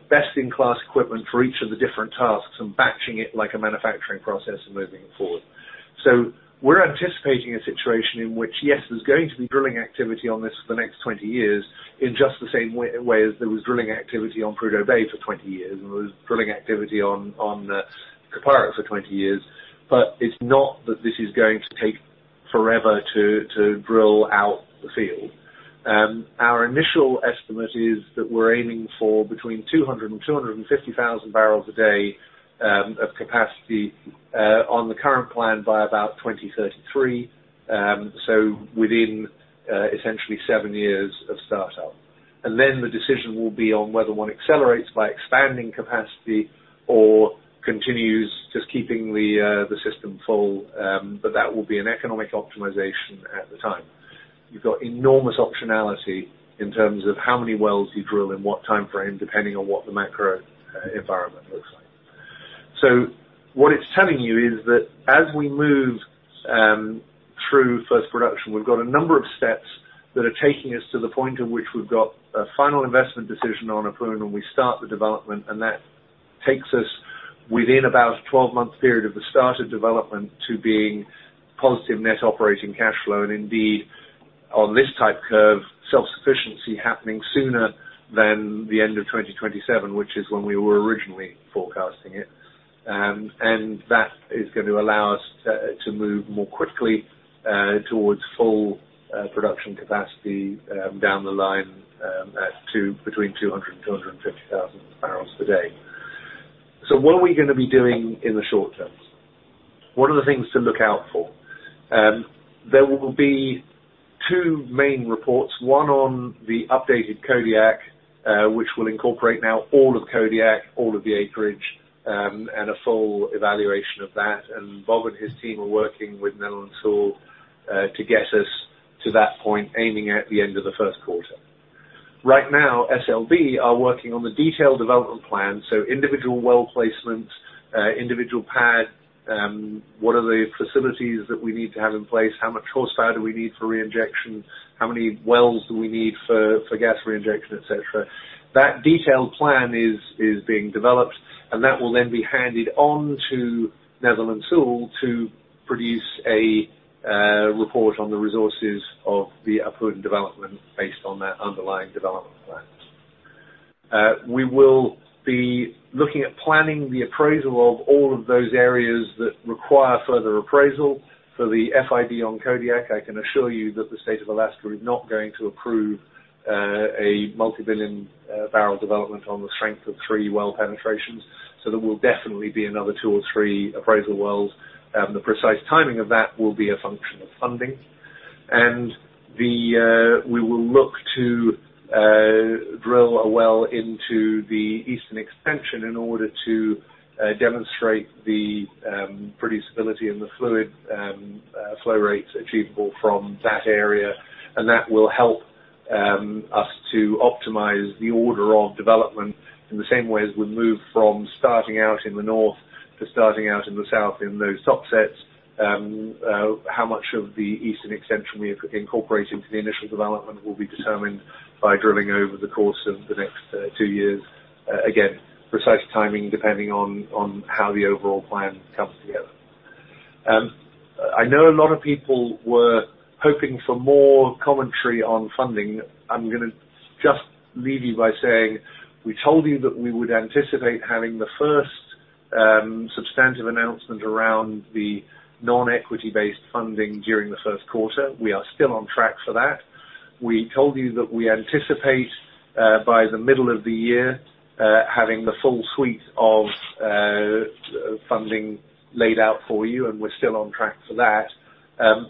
best-in-class equipment for each of the different tasks and batching it like a manufacturing process and moving it forward. We're anticipating a situation in which, yes, there's going to be drilling activity on this for the next 20 years in just the same way as there was drilling activity on Prudhoe Bay for 20 years, and there was drilling activity on Kuparuk for 20 years. It's not that this is going to take forever to drill out the field. Our initial estimate is that we're aiming for between 200,000 and 250,000 barrels a day of capacity on the current plan by about 2033. Within essentially years of startup. Then the decision will be on whether one accelerates by expanding capacity or continues just keeping the system full. That will be an economic optimization at the time. You've got enormous optionality in terms of how many wells you drill in what timeframe, depending on what the macro environment looks like. What it's telling you is that as we move through first production, we've got a number of steps that are taking us to the point at which we've got a final investment decision on a permit when we start the development, and that takes us within about 12-month period of the start of development to being positive net operating cash flow. Indeed, on this type curve, self-sufficiency happening sooner than the end of 2027, which is when we were originally forecasting it. That is going to allow us to move more quickly towards full production capacity down the line between 200,000 and 250,000 barrels per day. What are we gonna be doing in the short term? What are the things to look out for? There will be two main reports, one on the updated Kodiak, which will incorporate now all of Kodiak, all of the acreage, and a full evaluation of that. Bob and his team are working with Netherland, Sewell to get us to that point, aiming at the end of the first quarter. Right now, SLB are working on the detailed development plan, so individual well placements, individual pad, what are the facilities that we need to have in place? How much horsepower do we need for reinjection? How many wells do we need for gas reinjection, et cetera. That detailed plan is being developed, and that will then be handed on to Netherland, Sewell to produce a report on the resources of the Ahpun development based on that underlying development plan. We will be looking at planning the appraisal of all of those areas that require further appraisal. For the FID on Kodiak, I can assure you that the State of Alaska is not going to approve a multi-billion barrel development on the strength of three well penetrations. There will definitely be another two or three appraisal wells. The precise timing of that will be a function of funding. We will look to drill a well into the Eastern extension in order to demonstrate the producibility and the fluid flow rates achievable from that area. That will help us to optimize the order of development in the same way as we move from starting out in the north to starting out in the south in those subsets. How much of the eastern extension we have incorporated into the initial development will be determined by drilling over the course of the next two years. Again, precise timing depending on how the overall plan comes together. I know a lot of people were hoping for more commentary on funding. I'm gonna just leave you by saying, we told you that we would anticipate having the first substantive announcement around the non-equity based funding during the first quarter. We are still on track for that. We told you that we anticipate by the middle of the year having the full suite of funding laid out for you, and we're still on track for that.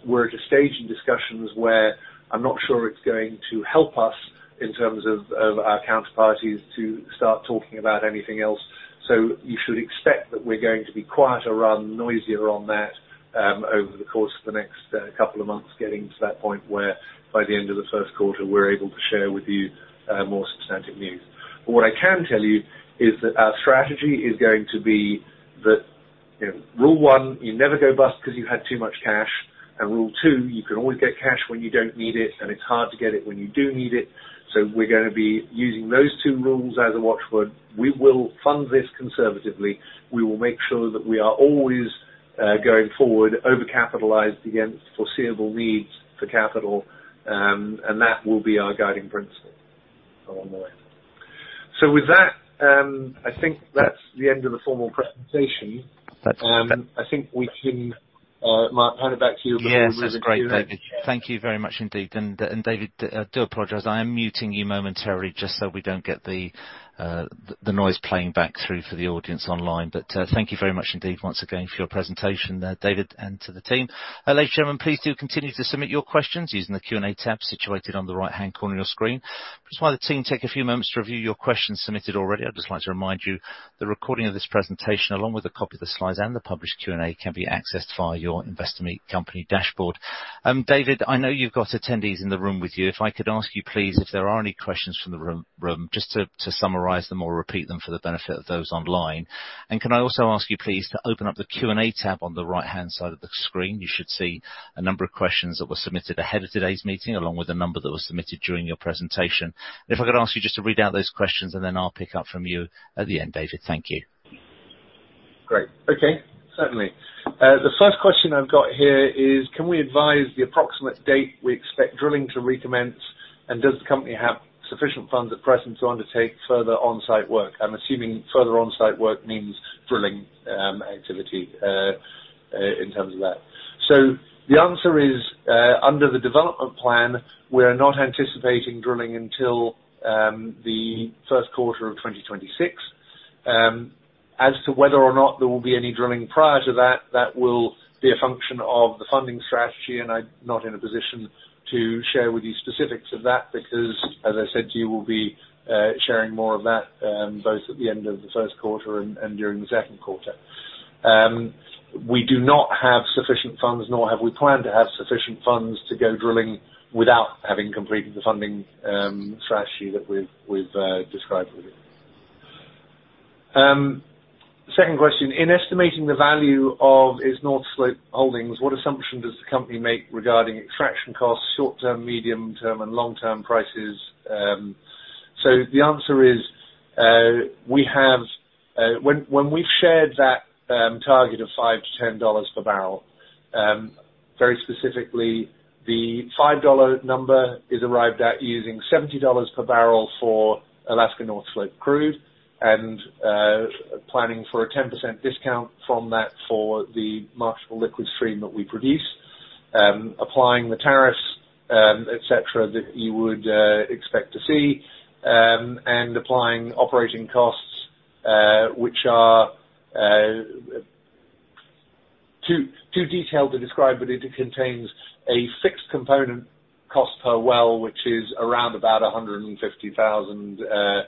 We're at a stage in discussions where I'm not sure it's going to help us in terms of our counterparties to start talking about anything else. You should expect that we're going to be quieter rather than noisier on that, over the course of the next couple of months, getting to that point where by the end of the first quarter, we're able to share with you more substantive news. What I can tell you is that our strategy is going to be that, you know, rule one, you never go bust because you had too much cash. Rule two, you can always get cash when you don't need it, and it's hard to get it when you do need it. We're gonna be using those two rules as a watch word. We will fund this conservatively. We will make sure that we are always going forward overcapitalized against foreseeable needs for capital. That will be our guiding principle along the way. With that, I think that's the end of the formal presentation. That's- I think we can, Mark, hand it back to you before we move into Q&A. Yes, that's great, David. Thank you very much indeed. David, do apologize. I am muting you momentarily just so we don't get the noise playing back through for the audience online. Thank you very much indeed once again for your presentation, David and to the team. Ladies and gentlemen, please do continue to submit your questions using the Q&A tab situated on the right-hand corner of your screen. Just while the team take a few moments to review your questions submitted already, I'd just like to remind you the recording of this presentation, along with a copy of the slides and the published Q&A, can be accessed via your Investor Meet Company dashboard. David, I know you've got attendees in the room with you. If I could ask you, please, if there are any questions from the room, just to summarize them or repeat them for the benefit of those online. Can I also ask you, please, to open up the Q&A tab on the right-hand side of the screen? You should see a number of questions that were submitted ahead of today's meeting, along with a number that were submitted during your presentation. If I could ask you just to read out those questions, and then I'll pick up from you at the end, David. Thank you. Great. Okay, certainly. The first question I've got here is: Can we advise the approximate date we expect drilling to recommence? And does the company have sufficient funds at present to undertake further on-site work? I'm assuming further on-site work means drilling activity in terms of that. The answer is, under the development plan, we're not anticipating drilling until the first quarter of 2026. As to whether or not there will be any drilling prior to that will be a function of the funding strategy, and I'm not in a position to share with you specifics of that because, as I said to you, we'll be sharing more of that both at the end of the first quarter and during the second quarter. We do not have sufficient funds, nor have we planned to have sufficient funds to go drilling without having completed the funding strategy that we've described with you. Second question: In estimating the value of its North Slope holdings, what assumption does the company make regarding extraction costs, short-term, medium-term, and long-term prices? The answer is when we've shared that target of $5-$10 per barrel, very specifically, the $5 number is arrived at using $70 per barrel for Alaska North Slope crude and planning for a 10% discount from that for the marketable liquid stream that we produce. Applying the tariffs, et cetera, that you would expect to see. Applying operating costs, which are too detailed to describe, but it contains a fixed component cost per well, which is around about $150,000,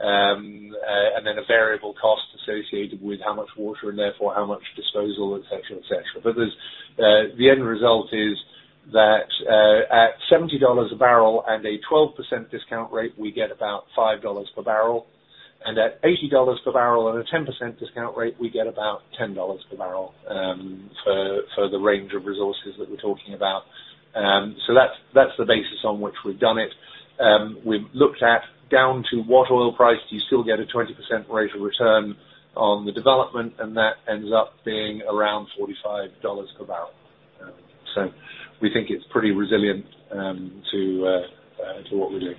and then a variable cost associated with how much water and therefore how much disposal, et cetera. The end result is that at $70 a barrel and a 12% discount rate, we get about $5 per barrel. At $80 a barrel and a 10% discount rate, we get about $10 per barrel, for the range of resources that we're talking about. That's the basis on which we've done it. We've looked at down to what oil price do you still get a 20% rate of return on the development, and that ends up being around $45 per barrel. We think it's pretty resilient to what we're doing.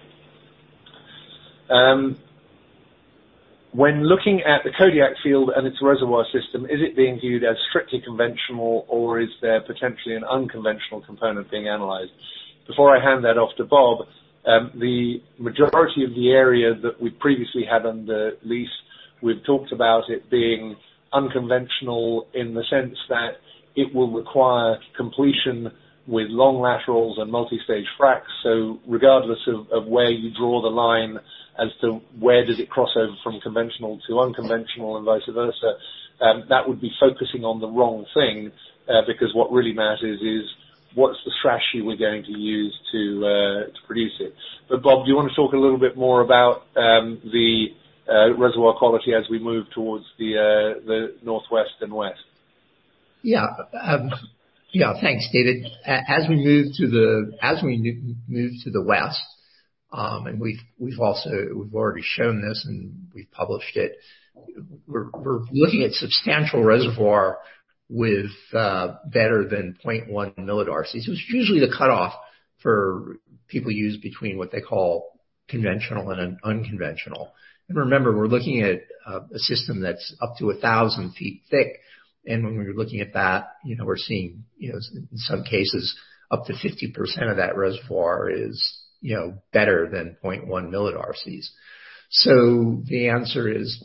When looking at the Kodiak field and its reservoir system, is it being viewed as strictly conventional or is there potentially an unconventional component being analyzed? Before I hand that off to Bob, the majority of the area that we previously had under lease, we've talked about it being unconventional in the sense that it will require completion with long laterals and multi-stage fracs. Regardless of where you draw the line as to where does it cross over from conventional to unconventional and vice versa, that would be focusing on the wrong thing, because what really matters is what's the frac we're going to use to produce it. But Bob, do you wanna talk a little bit more about the reservoir quality as we move towards the northwest and west? Yeah. Thanks, David. As we move to the west, we've already shown this, and we've published it. We're looking at substantial reservoir with better than 0.1 mD, which is usually the cutoff that people use between what they call conventional and an unconventional. Remember, we're looking at a system that's up to 1,000 ft thick. When we were looking at that, you know, we're seeing, you know, in some cases up to 50% of that reservoir is, you know, better than 0.1 mD. The answer is,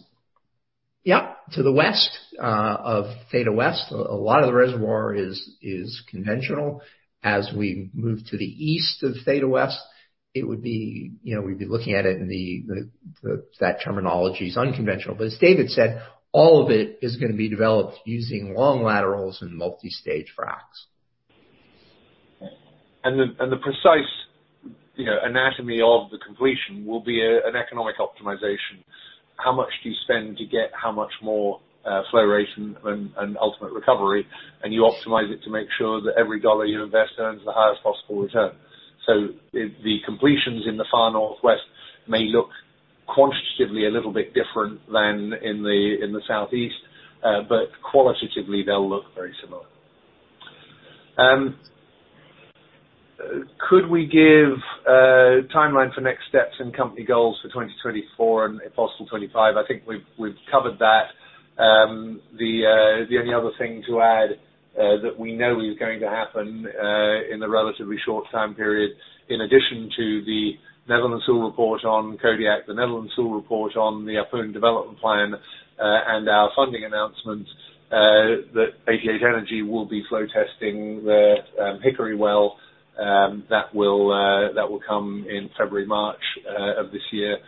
yep, to the west of Theta West, a lot of the reservoir is conventional. As we move to the east of Theta West, it would be, you know, we'd be looking at it in the, That terminology is unconventional. As David said, all of it is gonna be developed using long laterals and multi-stage fracs. The precise, you know, anatomy of the completion will be an economic optimization. How much do you spend to get how much more flow rate and ultimate recovery? You optimize it to make sure that every dollar you invest earns the highest possible return. The completions in the far northwest may look quantitatively a little bit different than in the southeast, but qualitatively they'll look very similar. Could we give a timeline for next steps and company goals for 2024 and if possible 2025? I think we've covered that. The only other thing to add that we know is going to happen in the relatively short time period, in addition to the Netherland, Sewell report on Kodiak, the Netherland, Sewell report on the Ahpun development plan, and our funding announcement, that 88 Energy will be flow testing the Hickory well, that will come in February, March of this year.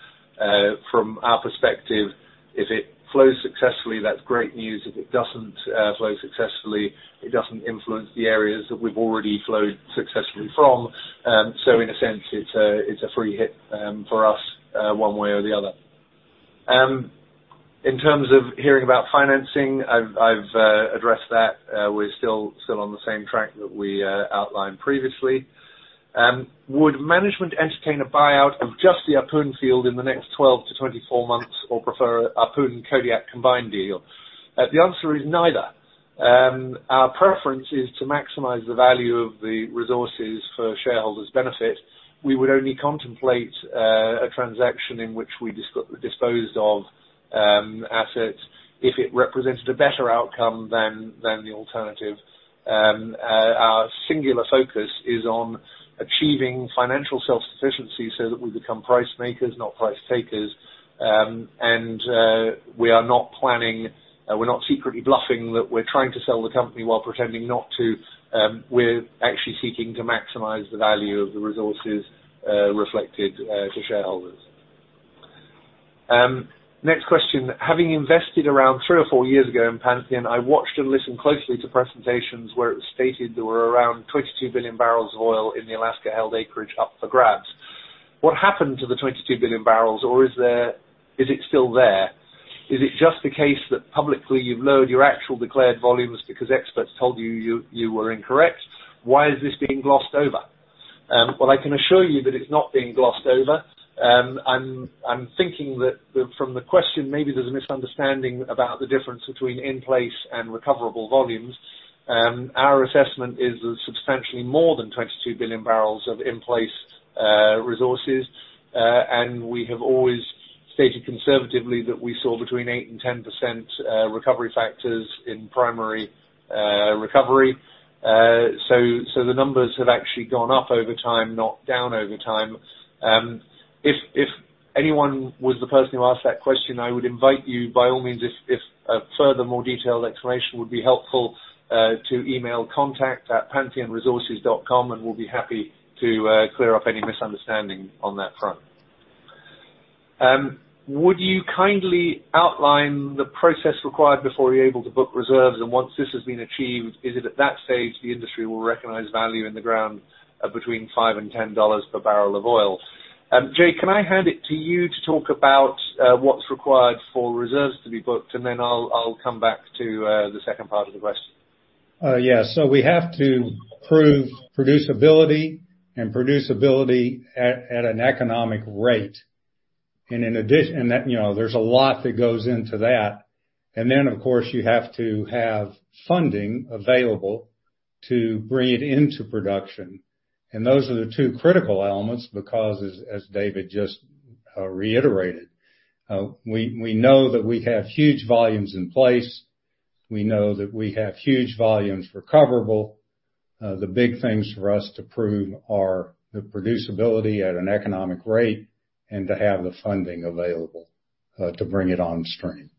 From our perspective, if it flows successfully, that's great news. If it doesn't flow successfully, it doesn't influence the areas that we've already flowed successfully from. In a sense, it's a free hit for us one way or the other. In terms of hearing about financing, I've addressed that. We're still on the same track that we outlined previously. Would management entertain a buyout of just the Ahpun field in the next 12-24 months or prefer Ahpun Kodiak combined deal? The answer is neither. Our preference is to maximize the value of the resources for shareholders' benefit. We would only contemplate a transaction in which we disposed of assets if it represented a better outcome than the alternative. Our singular focus is on achieving financial self-sufficiency so that we become price makers, not price takers. We're not secretly bluffing that we're trying to sell the company while pretending not to. We're actually seeking to maximize the value of the resources reflected to shareholders. Next question. Having invested around three or four years ago in Pantheon, I watched and listened closely to presentations where it was stated there were around 22 billion barrels of oil in the Alaska held acreage up for grabs. What happened to the 22 billion barrels or is there? Is it still there? Is it just the case that publicly you've lowered your actual declared volumes because experts told you you were incorrect? Why is this being glossed over? Well, I can assure you that it's not being glossed over. I'm thinking that, from the question, maybe there's a misunderstanding about the difference between in-place and recoverable volumes. Our assessment is there's substantially more than 22 billion barrels of in-place resources. And we have always stated conservatively that we saw between 8% and 10% recovery factors in primary recovery. The numbers have actually gone up over time, not down over time. If anyone was the person who asked that question, I would invite you, by all means, if a further more detailed explanation would be helpful, to email contact@pantheonresources.com and we'll be happy to clear up any misunderstanding on that front. Would you kindly outline the process required before you're able to book reserves? Once this has been achieved, is it at that stage the industry will recognize value in the ground between $5-$10 per barrel of oil? Jay, can I hand it to you to talk about what's required for reserves to be booked? I'll come back to the second part of the question. Yes. We have to prove producibility at an economic rate. In addition, that you know there's a lot that goes into that. Then, of course, you have to have funding available to bring it into production. Those are the two critical elements because as David just reiterated, we know that we have huge volumes in place. We know that we have huge volumes recoverable. The big things for us to prove are the producibility at an economic rate and to have the funding available to bring it on stream.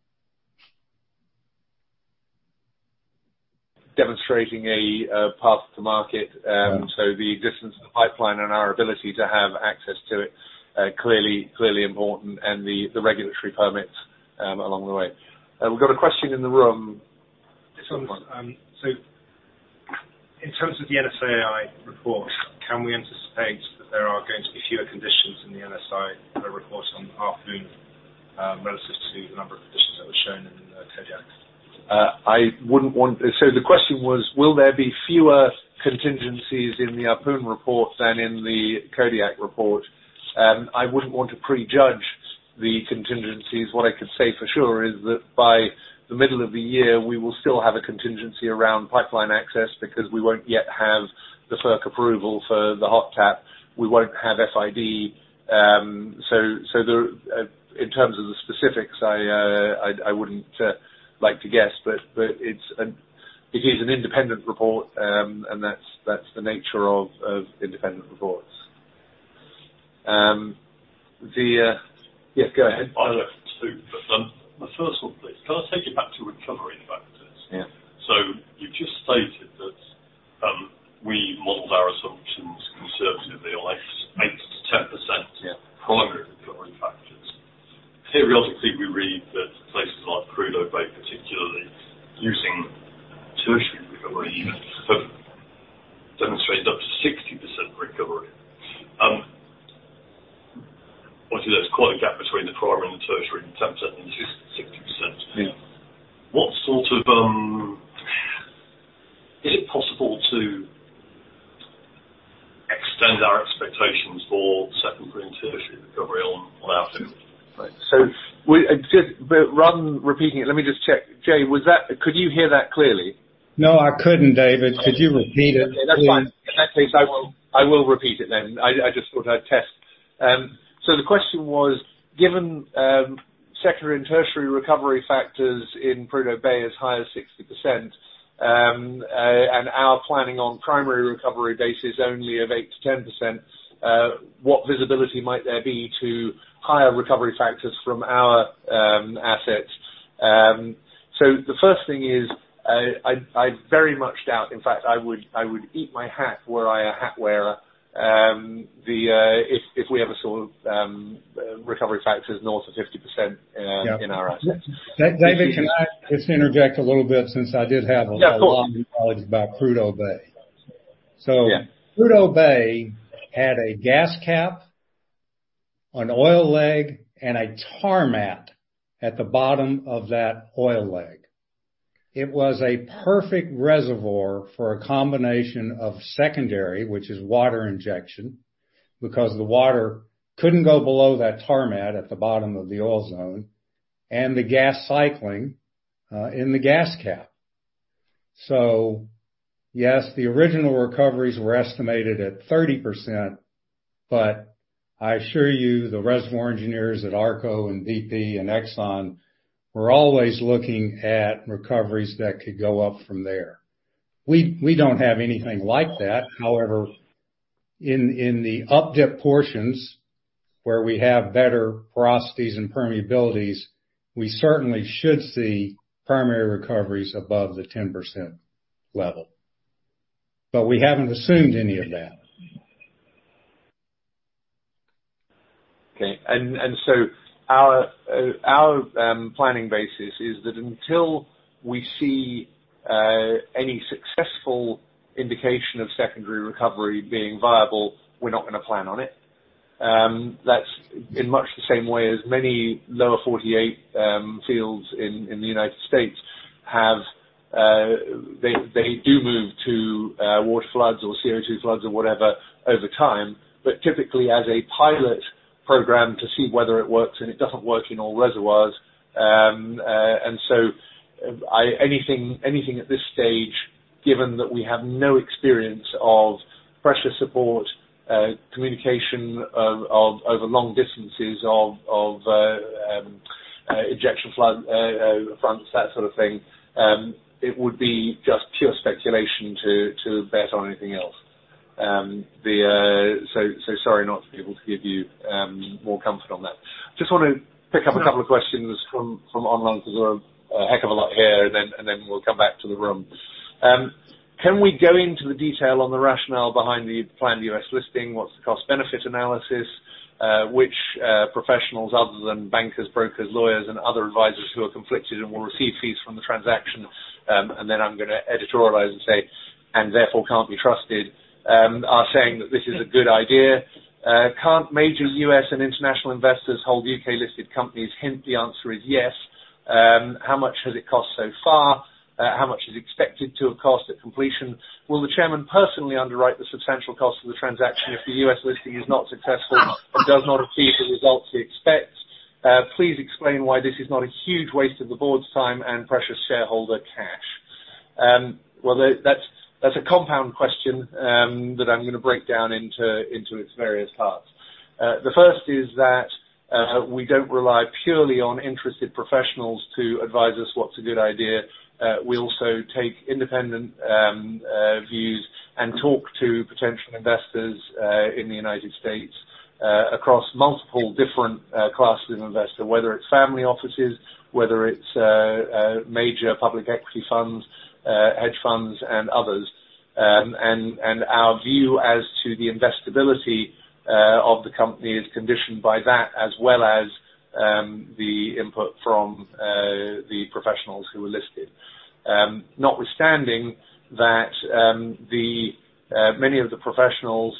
Demonstrating a path to market. The existence of the pipeline and our ability to have access to it, clearly important and the regulatory permits along the way. We've got a question in the room. In terms of the NSAI report, can we anticipate that there are going to be fewer conditions in the NSAI report on the afternoon, relative to the number of conditions that were shown in the Kodiak? The question was, will there be fewer contingencies in the Ahpun report than in the Kodiak report? I wouldn't want to prejudge the contingencies. What I could say for sure is that by the middle of the year, we will still have a contingency around pipeline access because we won't yet have the FERC approval for the hot tap. We won't have FID. In terms of the specifics, I wouldn't like to guess. It's an independent report. That's the nature of independent reports. Yes, go ahead. I'll ask two. My first one please. Can I take you back to recovery factors? Yeah. You just stated that we modeled our assumptions conservatively on 8%-10%. Yeah. Primary recovery factors. Periodically, we read that places like Prudhoe Bay, particularly using tertiary recovery, have demonstrated up to 60% recovery. Obviously there's quite a gap between the primary and tertiary, 10% and 60%. Yeah. Is it possible to extend our expectations for secondary and tertiary recovery on our tools? Rather than repeating it, let me just check. Jay, was that? Could you hear that clearly? No, I couldn't, David. Could you repeat it please? Okay. That's fine. In that case, I will repeat it then. I just thought I'd test. The question was, given secondary and tertiary recovery factors in Prudhoe Bay as high as 60%, and our planning on primary recovery basis only of 8%-10%, what visibility might there be to higher recovery factors from our assets? The first thing is I very much doubt. In fact, I would eat my hat were I a hat wearer if we ever saw recovery factors north of 50% in our assets. David, can I just interject a little bit. Yeah, sure. Knowledge about Prudhoe Bay. Yeah. Prudhoe Bay had a gas cap, an oil leg, and a tar mat at the bottom of that oil leg. It was a perfect reservoir for a combination of secondary, which is water injection, because the water couldn't go below that tar mat at the bottom of the oil zone, and the gas cycling in the gas cap. Yes, the original recoveries were estimated at 30%, but I assure you, the reservoir engineers at ARCO and BP and Exxon were always looking at recoveries that could go up from there. We don't have anything like that. However, in the up dip portions where we have better porosities and permeabilities, we certainly should see primary recoveries above the 10% level. We haven't assumed any of that. Our planning basis is that until we see any successful indication of secondary recovery being viable, we're not gonna plan on it. That's in much the same way as many lower 48 fields in the United States have. They do move to water floods or CO2 floods or whatever over time, but typically as a pilot program to see whether it works and it doesn't work in all reservoirs. At this stage, given that we have no experience of pressure support, communication over long distances of injection flood fronts, that sort of thing, it would be just pure speculation to bet on anything else. Sorry not to be able to give you more comfort on that. Just wanna pick up a couple of questions from online 'cause there are a heck of a lot here, and then we'll come back to the room. Can we go into the detail on the rationale behind the planned U.S. listing? What's the cost-benefit analysis? Which professionals other than bankers, brokers, lawyers, and other advisors who are conflicted and will receive fees from the transaction, and then I'm gonna editorialize and say, and therefore can't be trusted, are saying that this is a good idea. Can't major U.S. and international investors hold U.K.-listed companies? Hint, the answer is yes. How much has it cost so far? How much is expected to have cost at completion? Will the chairman personally underwrite the substantial cost of the transaction if the U.S. listing is not successful or does not achieve the results he expects? Please explain why this is not a huge waste of the board's time and precious shareholder cash. Well, that's a compound question that I'm gonna break down into its various parts. The first is that we don't rely purely on interested professionals to advise us what's a good idea. We also take independent views and talk to potential investors in the United States across multiple different classes of investor. Whether it's family offices, whether it's major public equity funds, hedge funds, and others. Our view as to the investability of the company is conditioned by that as well as the input from the professionals who are listed. Notwithstanding that, many of the professionals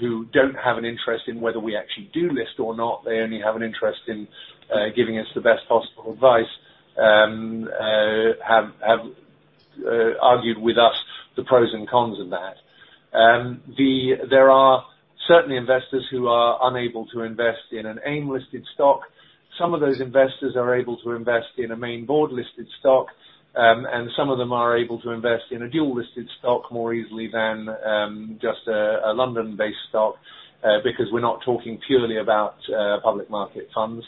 who don't have an interest in whether we actually do list or not, they only have an interest in giving us the best possible advice, have argued with us the pros and cons of that. There are certainly investors who are unable to invest in an AIM-listed stock. Some of those investors are able to invest in a main board-listed stock, and some of them are able to invest in a dual-listed stock more easily than just a London-based stock, because we're not talking purely about public market funds.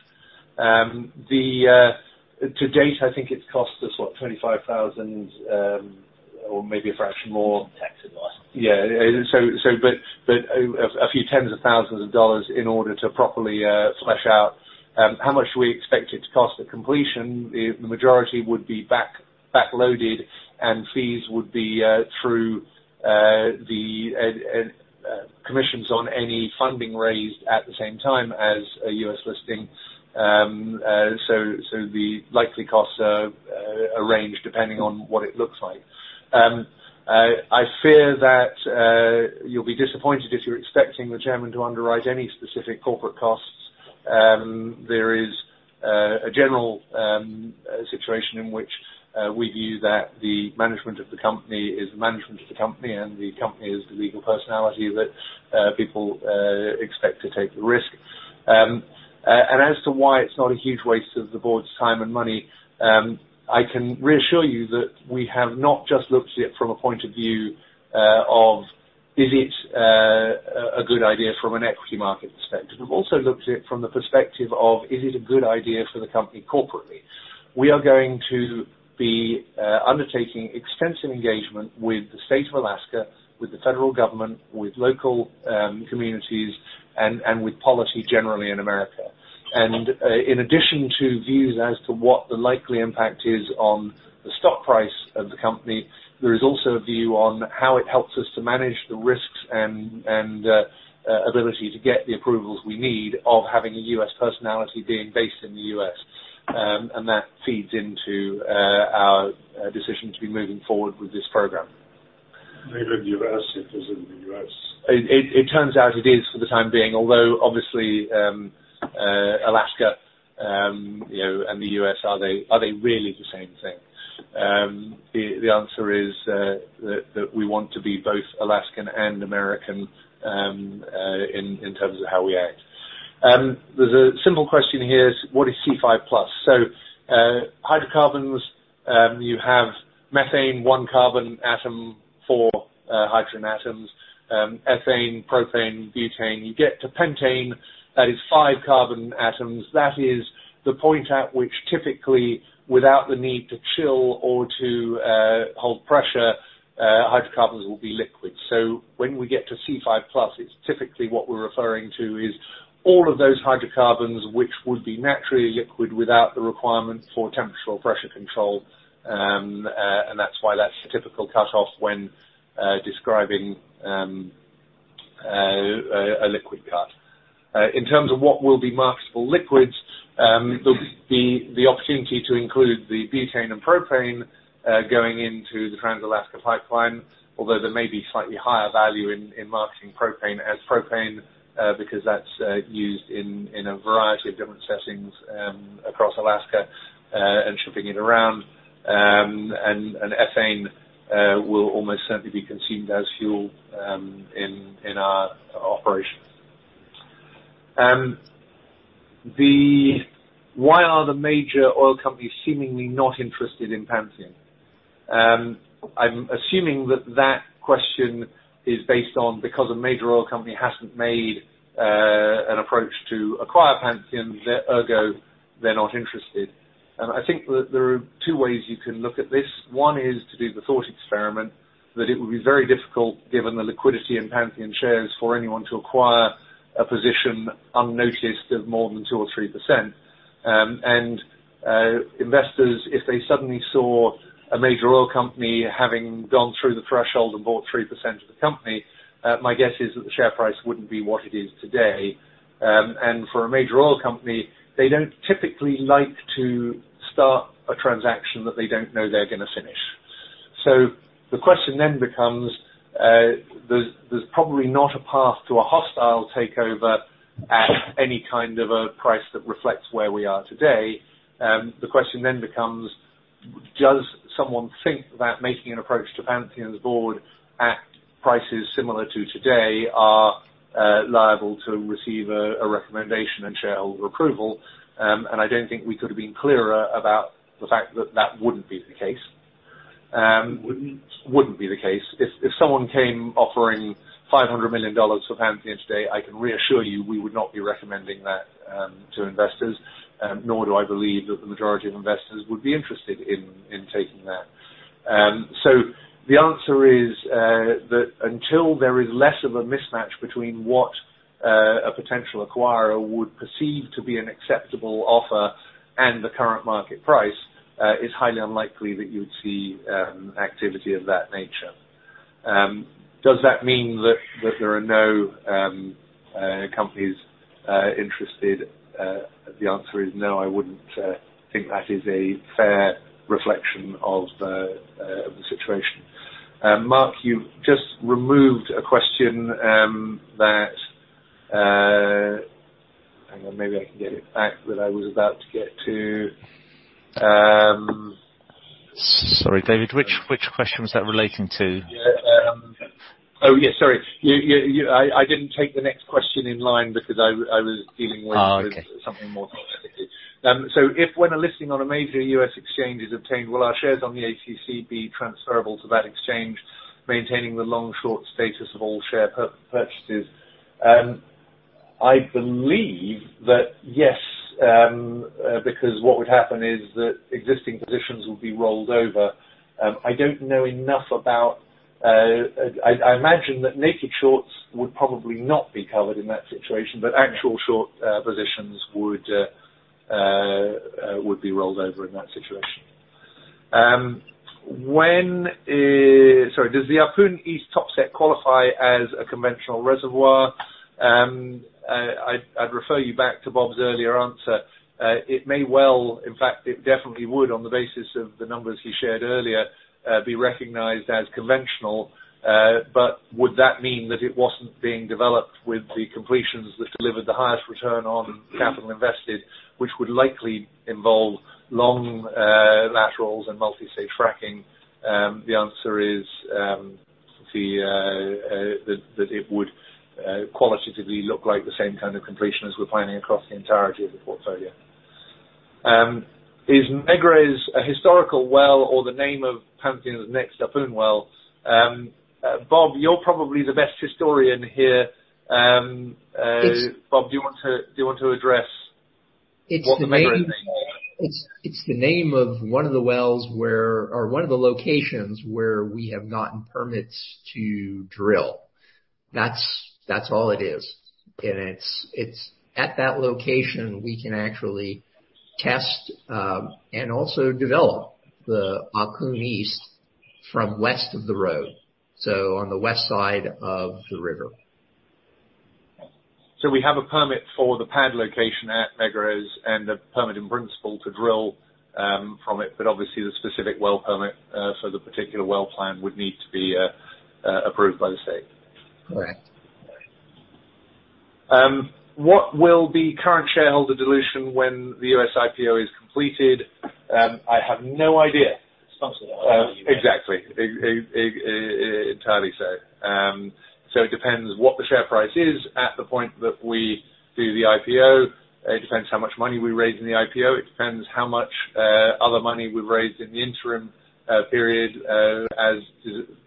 To date, I think it's cost us, what, 25 thousand, or maybe a fraction more. Tax advice. A few tens of thousands of dollars in order to properly splash out how much we expect it to cost at completion. The majority would be back loaded and fees would be through the commissions on any funding raised at the same time as a U.S. listing. The likely costs are arranged depending on what it looks like. I fear that you'll be disappointed if you're expecting the Chairman to underwrite any specific corporate costs. There is a general situation in which we view that the management of the company is the management of the company, and the company is the legal personality that people expect to take the risk. As to why it's not a huge waste of the board's time and money, I can reassure you that we have not just looked at it from a point of view of is it a good idea from an equity market perspective. We've also looked at it from the perspective of, is it a good idea for the company corporately? We are going to be undertaking extensive engagement with the State of Alaska, with the federal government, with local communities, and with policy generally in America. In addition to views as to what the likely impact is on the stock price of the company, there is also a view on how it helps us to manage the risks and ability to get the approvals we need of having a U.S. personality being based in the U.S. That feeds into our decision to be moving forward with this program. Made in the U.S. It is in the U.S. It turns out it is for the time being. Although, obviously, Alaska, you know, and the U.S., are they really the same thing? The answer is that we want to be both Alaskan and American, in terms of how we act. There's a simple question here. What is C5+? So, hydrocarbons, you have methane, one carbon atom, four hydrogen atoms. Ethane, propane, butane. You get to pentane, that is five carbon atoms. That is the point at which typically without the need to chill or to hold pressure, hydrocarbons will be liquid. So when we get to C5+, it's typically what we're referring to is all of those hydrocarbons which would be naturally liquid without the requirement for temperature or pressure control. That's why that's the typical cutoff when describing a liquid cut. In terms of what will be marketable liquids, there'll be the opportunity to include the butane and propane going into the Trans-Alaska pipeline. Although there may be slightly higher value in marketing propane as propane because that's used in a variety of different settings across Alaska and shipping it around. Ethane will almost certainly be consumed as fuel in our operations. Why are the major oil companies seemingly not interested in Pantheon? I'm assuming that question is based on because a major oil company hasn't made an approach to acquire Pantheon, ergo, they're not interested. I think that there are two ways you can look at this. One is to do the thought experiment that it would be very difficult given the liquidity in Pantheon shares for anyone to acquire a position unnoticed of more than 2% or 3%. Investors, if they suddenly saw a major oil company having gone through the threshold and bought 3% of the company, my guess is that the share price wouldn't be what it is today. For a major oil company, they don't typically like to start a transaction that they don't know they're gonna finish. The question then becomes. There's probably not a path to a hostile takeover at any kind of a price that reflects where we are today. The question then becomes, does someone think that making an approach to Pantheon's board at prices similar to today are liable to receive a recommendation and shareholder approval? I don't think we could have been clearer about the fact that that wouldn't be the case. Wouldn't? Wouldn't be the case. If someone came offering $500 million for Pantheon today, I can reassure you we would not be recommending that to investors, nor do I believe that the majority of investors would be interested in taking that. So the answer is that until there is less of a mismatch between what a potential acquirer would perceive to be an acceptable offer and the current market price, it's highly unlikely that you would see activity of that nature. Does that mean that there are no companies interested? The answer is no, I wouldn't think that is a fair reflection of the situation. Mark, you've just removed a question that, hang on. Maybe I can get it back, that I was about to get to. Sorry, David, which question was that relating to? Yeah. Oh, yeah, sorry. I didn't take the next question in line because I was dealing with- Oh, okay. Something more specific. If when a listing on a major U.S. exchange is obtained, will our shares on the AIM be transferable to that exchange, maintaining the long short status of all share purchases? I believe that, yes, because what would happen is that existing positions would be rolled over. I don't know enough about. I imagine that naked shorts would probably not be covered in that situation, but actual short positions would be rolled over in that situation. Does the Ahpun East topsets qualify as a conventional reservoir? I'd refer you back to Bob's earlier answer. It may well, in fact, it definitely would, on the basis of the numbers he shared earlier, be recognized as conventional. Would that mean that it wasn't being developed with the completions that delivered the highest return on capital invested, which would likely involve long laterals and multi-stage fracking? The answer is that it would qualitatively look like the same kind of completion as we're finding across the entirety of the portfolio. Is Megrez a historical well or the name of Pantheon's next Alkaid well? Bob, you're probably the best historian here. It's- Bob, do you want to address what the Megrez name is? It's the name of one of the wells or one of the locations where we have gotten permits to drill. That's all it is. It's at that location, we can actually test and also develop the Ahpun East from west of the road, so on the west side of the river. We have a permit for the pad location at Megrez and a permit in principle to drill from it, but obviously the specific well permit for the particular well plan would need to be approved by the state. Correct. What will the current shareholder dilution when the U.S. IPO is completed? I have no idea. It's something. Exactly. Entirely so. It depends what the share price is at the point that we do the IPO. It depends how much money we raise in the IPO. It depends how much other money we've raised in the interim period as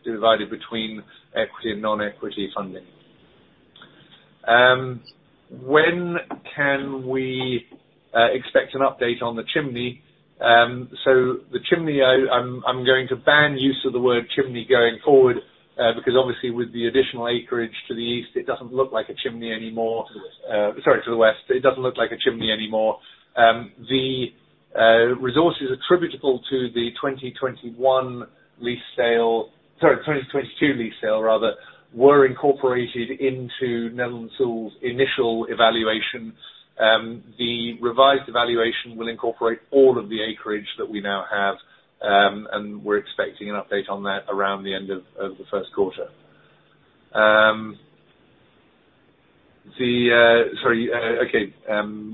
divided between equity and non-equity funding. When can we expect an update on the chimney? The chimney, I'm going to ban use of the word chimney going forward because obviously with the additional acreage to the east, it doesn't look like a chimney anymore. To the west. Sorry, to the west. It doesn't look like a chimney anymore. The resources attributable to the 2021 lease sale, sorry, 2022 lease sale rather, were incorporated into Netherland, Sewell & Associates' initial evaluation. The revised evaluation will incorporate all of the acreage that we now have, and we're expecting an update on that around the end of the first quarter.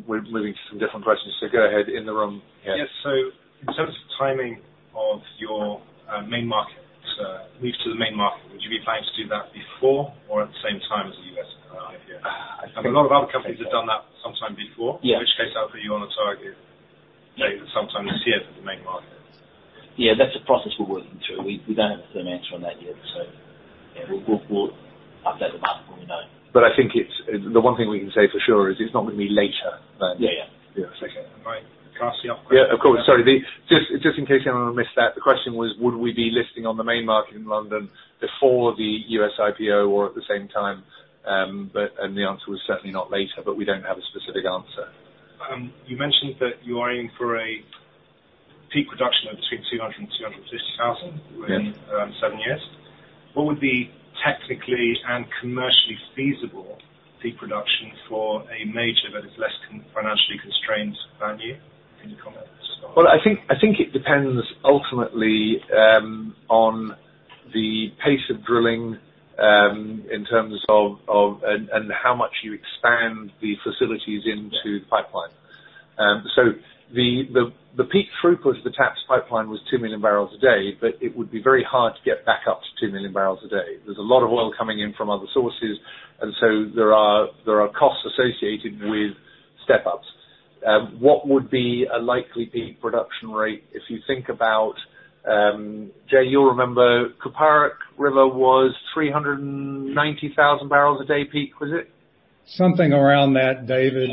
We're moving to some different questions. Go ahead, in the room. Yeah. Yes. In terms of timing. Move to the Main Market. Would you be planning to do that before or at the same time as the U.S. IPO? I think. I mean, a lot of other companies have done that some time before. Yeah. In which case I'll put you on a target date of some time this year for the main markets. Yeah, that's a process we're working through. We don't have a firm answer on that yet. Yeah, we'll update the market when we know. I think it's the one thing we can say for sure is it's not gonna be later than. Yeah, yeah. Yeah. Can I ask the odd question? Yeah, of course. Sorry. Just in case anyone missed that, the question was, would we be listing on the main market in London before the US IPO or at the same time? The answer was certainly not later, but we don't have a specific answer. You mentioned that you are aiming for a peak production of between 200,000 and 250,000. Yes. Within seven years. What would be technically and commercially feasible peak production for a major that is less financially constrained than you? Can you comment on the scope? Well, I think it depends ultimately on the pace of drilling in terms of and how much you expand the facilities into the pipeline. The peak throughput of the TAPS pipeline was 2 million barrels a day, but it would be very hard to get back up to 2 million barrels a day. There's a lot of oil coming in from other sources, and there are costs associated with step-ups. What would be a likely peak production rate if you think about, Jay, you'll remember Kuparuk River was 390,000 barrels a day peak, was it? Something around that, David.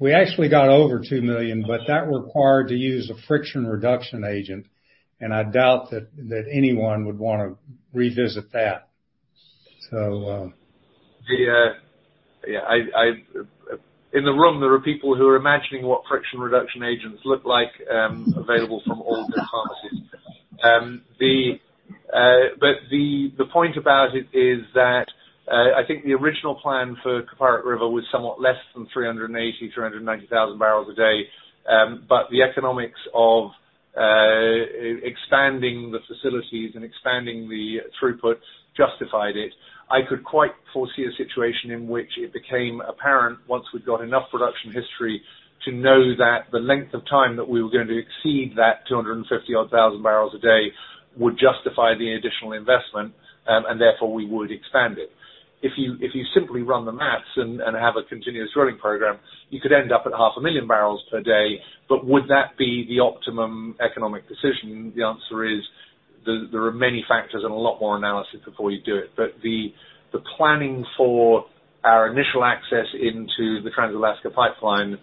We actually got over 2 million, but that required the use of friction reduction agent. I doubt that anyone would wanna revisit that. In the room, there are people who are imagining what friction reduction agents look like, available from all departments. The point about it is that I think the original plan for Kuparuk River was somewhat less than 380-390,000 barrels a day, but the economics of expanding the facilities and expanding the throughput justified it. I could quite foresee a situation in which it became apparent once we'd got enough production history to know that the length of time that we were going to exceed that 250,000-odd barrels a day would justify the additional investment, and therefore we would expand it. If you simply run the math and have a continuous drilling program, you could end up at 500,000 barrels per day. Would that be the optimum economic decision? The answer is there are many factors and a lot more analysis before you do it. The planning for our initial access into the Trans-Alaska pipeline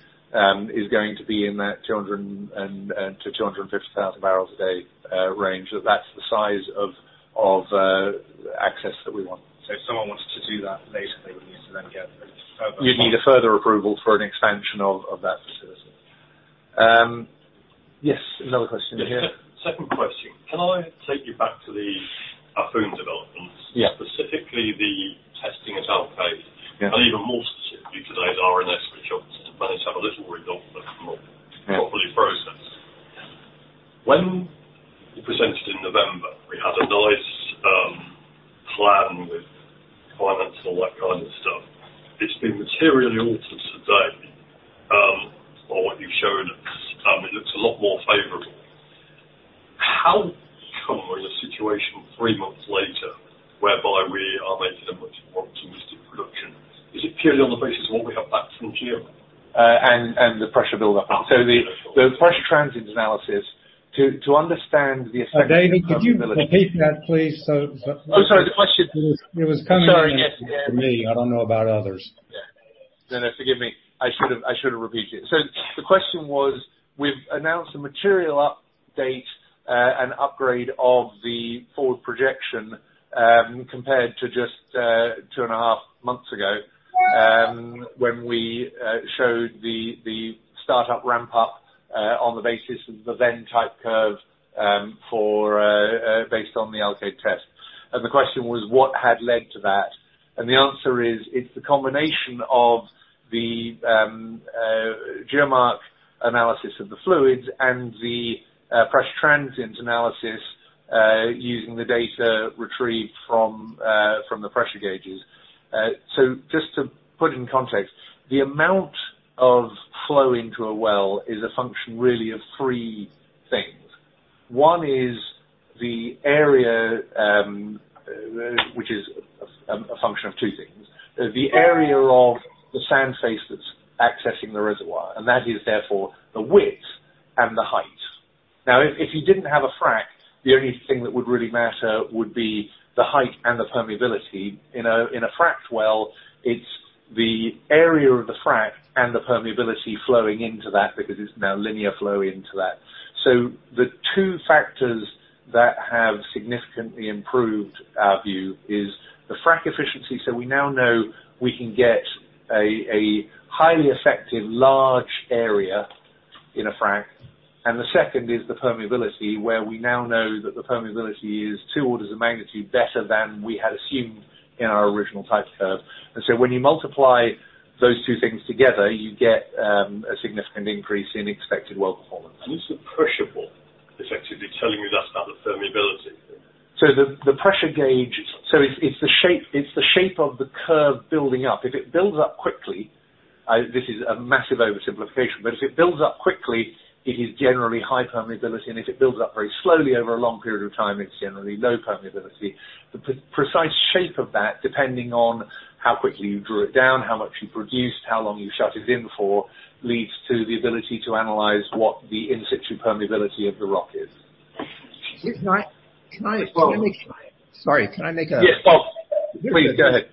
is going to be in that 200,000-250,000 barrels a day range. That's the size of access that we want. If someone wants to do that, basically we need to then get a further You'd need a further approval for an expansion of that facility. Yes, another question here. Yeah. Second question. Can I take you back to the Ahpun developments? Yeah. Specifically the testing at Alkaid. Yeah. Even more specifically, today's RNS, which obviously managed to have a little result that's not Yeah. When you presented in November, we had a nice financial plan and all that kind of stuff. It's been materially altered today by what you've shown us. It looks a lot more favorable. How come we're in a situation three months later whereby we are making a much more optimistic projection? Is it purely on the basis of what we have back from GeoMark? The pressure buildup. Absolutely. Sure. The pressure transient analysis to understand the effect of permeability. David, could you repeat that please? Oh, sorry. It was coming. Sorry. Yes. To me. I don't know about others. Yeah. No, no. Forgive me. I should have repeated it. The question was: We've announced a material update and upgrade of the forward projection, compared to just two and half months ago, when we showed the startup ramp up, on the basis of the then type curve, based on the Alkaid test. The question was what had led to that. The answer is, it's the combination of the GeoMark analysis of the fluids and the pressure transient analysis, using the data retrieved from the pressure gauges. Just to put it in context, the amount of flow into a well is a function really of three things. One is the area, which is a function of two things. The area of the sand face that's accessing the reservoir, and that is therefore the width and the height. Now, if you didn't have a frack, the only thing that would really matter would be the height and the permeability. In a fracked well, it's the area of the frack and the permeability flowing into that because it's now linear flow into that. The two factors that have significantly improved our view is the frack efficiency. We now know we can get a highly effective large area in a frack. The second is the permeability, where we now know that the permeability is two orders of magnitude better than we had assumed in our original type curve. When you multiply those two things together, you get a significant increase in expected well performance. This is appreciable, effectively telling you that about the permeability? It's the shape of the curve building up. If it builds up quickly, this is a massive oversimplification, but if it builds up quickly, it is generally high permeability. If it builds up very slowly over a long period of time, it's generally low permeability. The precise shape of that, depending on how quickly you drew it down, how much you produced, how long you shut it in for, leads to the ability to analyze what the in-situ permeability of the rock is. Can I make- Oh. Sorry, can I make a. Yes. Oh, please go ahead.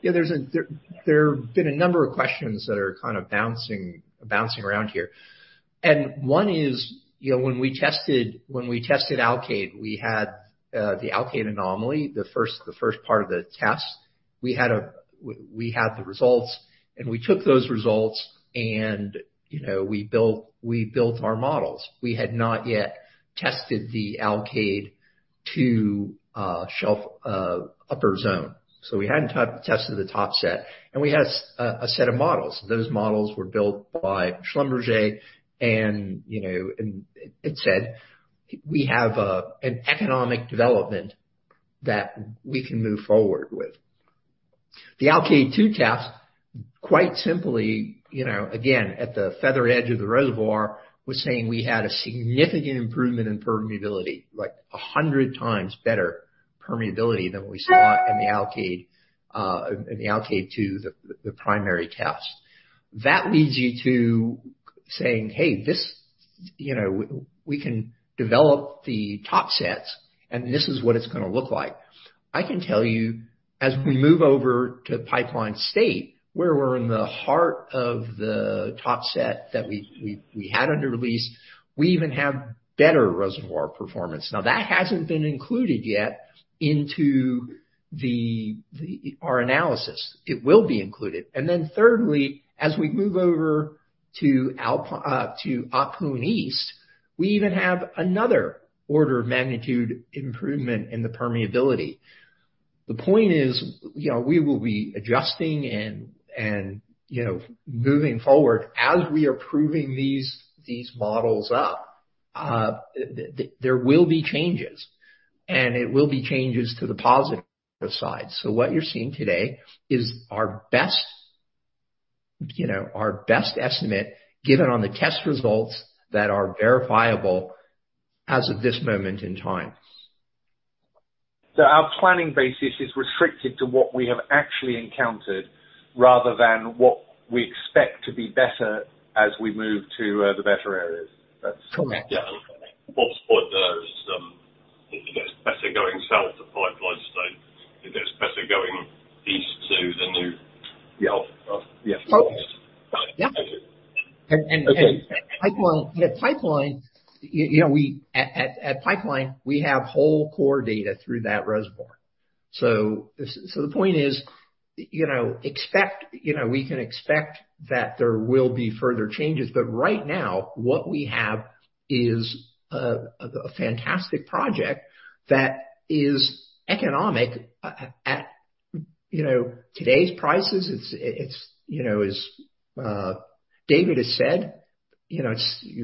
Yeah, there's a number of questions that are kinda bouncing around here. One is, you know, when we tested Alkaid, we had the Alkaid anomaly, the first part of the test. We had the results, and we took those results and, you know, we built our models. We had not yet tested the Alkaid shelf upper zone. We hadn't tested the top set, and we had a set of models. Those models were built by Schlumberger, you know, and it said we have an economic development that we can move forward with. The Alkaid-2, quite simply, you know, again, at the feather edge of the reservoir, was saying we had a significant improvement in permeability, like 100x better permeability than we saw in the Alkaid-2, the primary test. That leads you to saying, "Hey, this, you know, we can develop the topsets and this is what it's gonna look like." I can tell you, as we move over to Pipeline State, where we're in the heart of the topset that we had under lease, we even have better reservoir performance. Now, that hasn't been included yet into our analysis. It will be included. Then thirdly, as we move over to Ahpun East, we even have another order of magnitude improvement in the permeability. The point is, you know, we will be adjusting and, you know, moving forward. As we are proving these models up, there will be changes, and it will be changes to the positive side. What you're seeing today is our best, you know, our best estimate given on the test results that are verifiable as of this moment in time. Our planning basis is restricted to what we have actually encountered rather than what we expect to be better as we move to the better areas. That's- Correct. Yeah. It gets better going south to Pipeline State. It gets better going east to the new- Yeah. Yes. Yeah. Okay. Pipeline, you know, we at Pipeline have whole core data through that reservoir. The point is, you know, we can expect that there will be further changes. But right now what we have is a fantastic project that is economic at, you know, today's prices. It's you know as David has said you know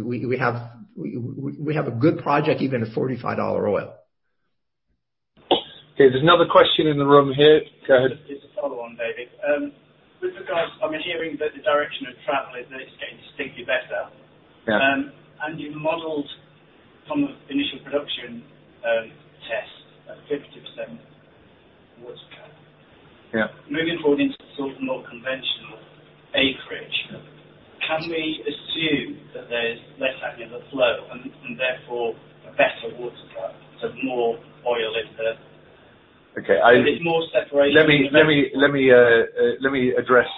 we have a good project even at $45 oil. Okay, there's another question in the room here. Go ahead. Just to follow on, David. With regards, I mean, hearing that the direction of travel is that it's getting distinctly better. Yeah. You've modeled some of the initial production tests at 50% water cut. Yeah. Moving forward into the sort of more conventional acreage, can we assume that there's less active flow and therefore a better water cut, so more oil in the? Okay. There's more separation. Let me address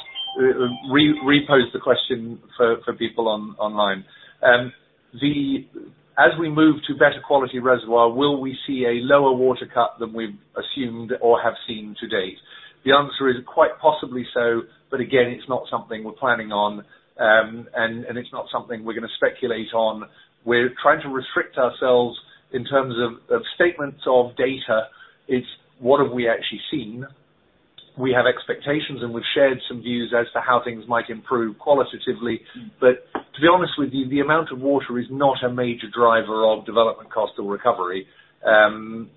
repose the question for people online. As we move to better quality reservoir, will we see a lower water cut than we've assumed or have seen to date? The answer is quite possibly so. Again, it's not something we're planning on, and it's not something we're gonna speculate on. We're trying to restrict ourselves in terms of statements of data. It's what have we actually seen. We have expectations, and we've shared some views as to how things might improve qualitatively. To be honest with you, the amount of water is not a major driver of development cost or recovery.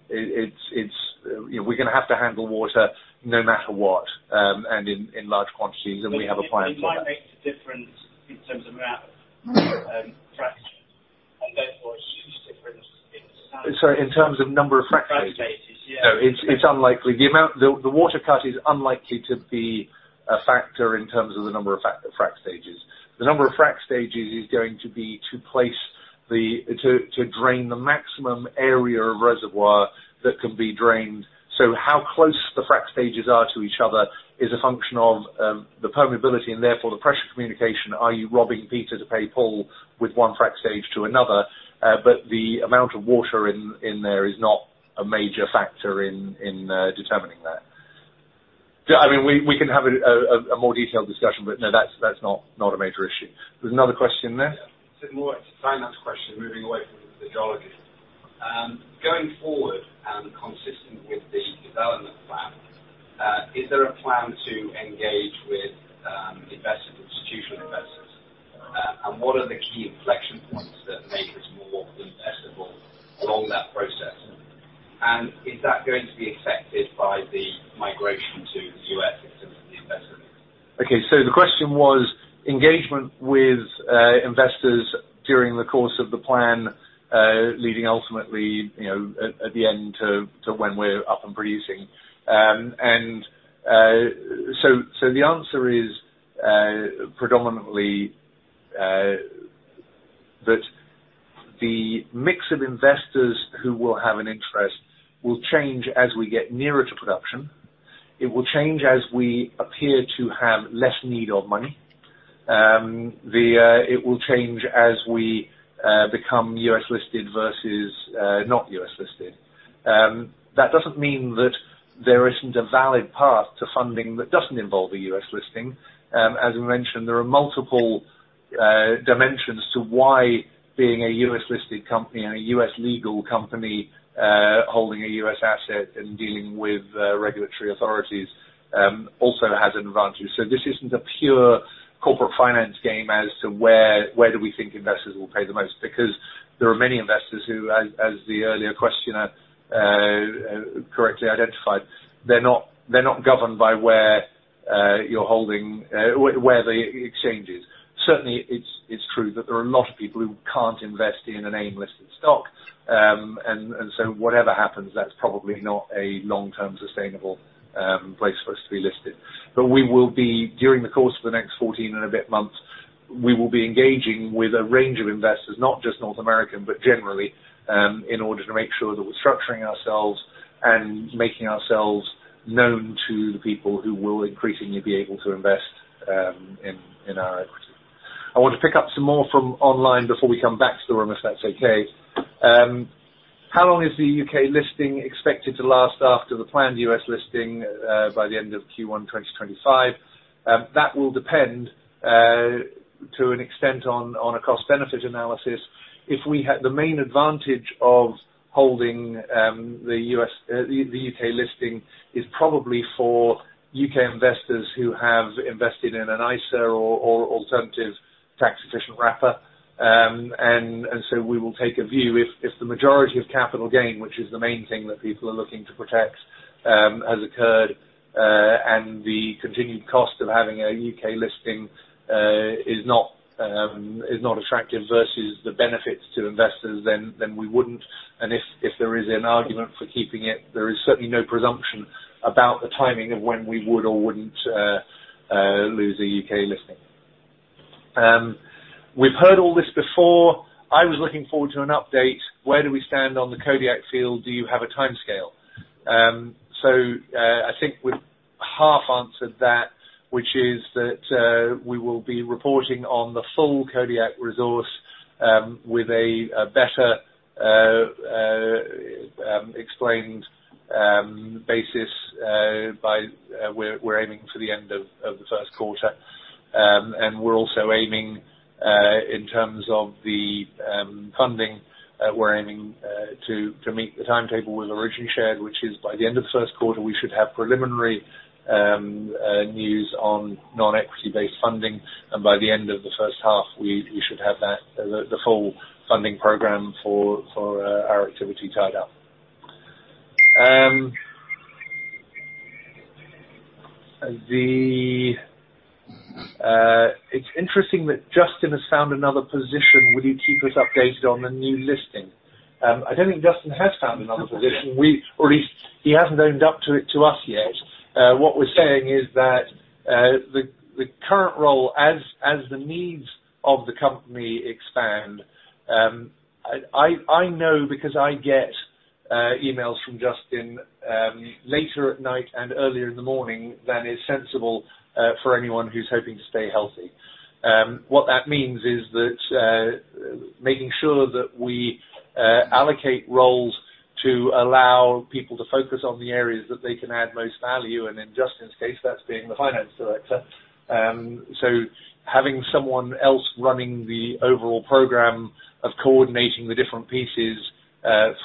It's you know, we're gonna have to handle water no matter what, and in large quantities, and we have a plan for that. It might make a difference in terms of amount, fractions, and therefore a huge difference in. Sorry, in terms of number of frac stages? The frac stages. Yeah. No. It's unlikely. The water cut is unlikely to be a factor in terms of the number of frac stages. The number of frac stages is going to be to drain the maximum area of reservoir that can be drained. How close the frac stages are to each other is a function of the permeability and therefore the pressure communication. Are you robbing Peter to pay Paul with one frac stage to another? The amount of water in there is not a major factor in determining that. Yeah. I mean, we can have a more detailed discussion, but no, that's not a major issue. There's another question there. It's more a finance question, moving away from the geologist. Going forward and consistent with the development plans, is there a plan to engage with, what are the key inflection points that make us more investable along that process? Is that going to be affected by the migration to the U.S. system for the investors? Okay. The question was engagement with investors during the course of the plan, leading ultimately, you know, at the end to when we're up and producing. The answer is, predominantly, that the mix of investors who will have an interest will change as we get nearer to production. It will change as we appear to have less need of money. It will change as we become U.S. listed versus not U.S. listed. That doesn't mean that there isn't a valid path to funding that doesn't involve a U.S. listing. As we mentioned, there are multiple dimensions to why being a U.S. listed company and a U.S. legal company, holding a U.S. asset and dealing with regulatory authorities, also has an advantage. This isn't a pure corporate finance game as to where we think investors will pay the most because there are many investors who as the earlier questioner correctly identified, they're not governed by where you're holding where the exchange is. Certainly it's true that there are a lot of people who can't invest in an AIM listed stock. Whatever happens, that's probably not a long-term sustainable place for us to be listed. We will be, during the course of the next 14 and a bit months, engaging with a range of investors, not just North American, but generally, in order to make sure that we're structuring ourselves and making ourselves known to the people who will increasingly be able to invest in our equity. I want to pick up some more from online before we come back to the room, if that's okay. How long is the U.K. listing expected to last after the planned U.S. listing by the end of Q1 2025? That will depend to an extent on a cost-benefit analysis. The main advantage of holding the U.K. listing is probably for U.K. investors who have invested in an ISA or alternative tax efficient wrapper. We will take a view if the majority of capital gain, which is the main thing that people are looking to protect, has occurred and the continued cost of having a U.K. listing is not attractive versus the benefits to investors, then we wouldn't. If there is an argument for keeping it, there is certainly no presumption about the timing of when we would or wouldn't lose the U.K. listing. We've heard all this before. I was looking forward to an update. Where do we stand on the Kodiak field? Do you have a timescale? I think we've half answered that, which is that we will be reporting on the full Kodiak resource with a better explained basis by we're aiming for the end of the first quarter. We're also aiming in terms of the funding to meet the timetable we've originally shared, which is by the end of the first quarter, we should have preliminary news on non-equity based funding. By the end of the first half, we should have the full funding program for our activity tied up. It's interesting that Justin has found another position. Will you keep us updated on the new listing? I don't think Justin has found another position. Or at least he hasn't owned up to it to us yet. What we're saying is that the current role as the needs of the company expand, I know because I get emails from Justin later at night and earlier in the morning than is sensible for anyone who's hoping to stay healthy. What that means is that making sure that we allocate roles to allow people to focus on the areas that they can add most value, and in Justin's case, that's being the finance director. Having someone else running the overall program of coordinating the different pieces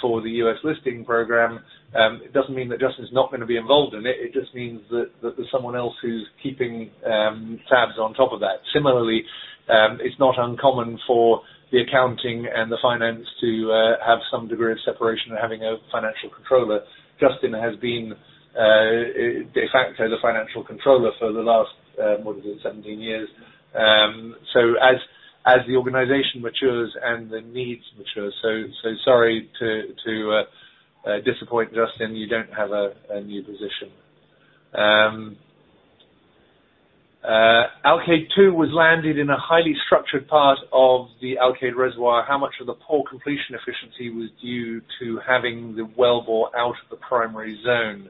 for the U.S. listing program, it doesn't mean that Justin's not gonna be involved in it. It just means that there's someone else who's keeping tabs on top of that. Similarly, it's not uncommon for the accounting and the finance to have some degree of separation and having a financial controller. Justin has been de facto the financial controller for the last 17 years. As the organization matures and the needs mature, sorry to disappoint Justin, you don't have a new position. Alkaid-2 was landed in a highly structured part of the Alkaid reservoir. How much of the poor completion efficiency was due to having the wellbore out of the primary zone?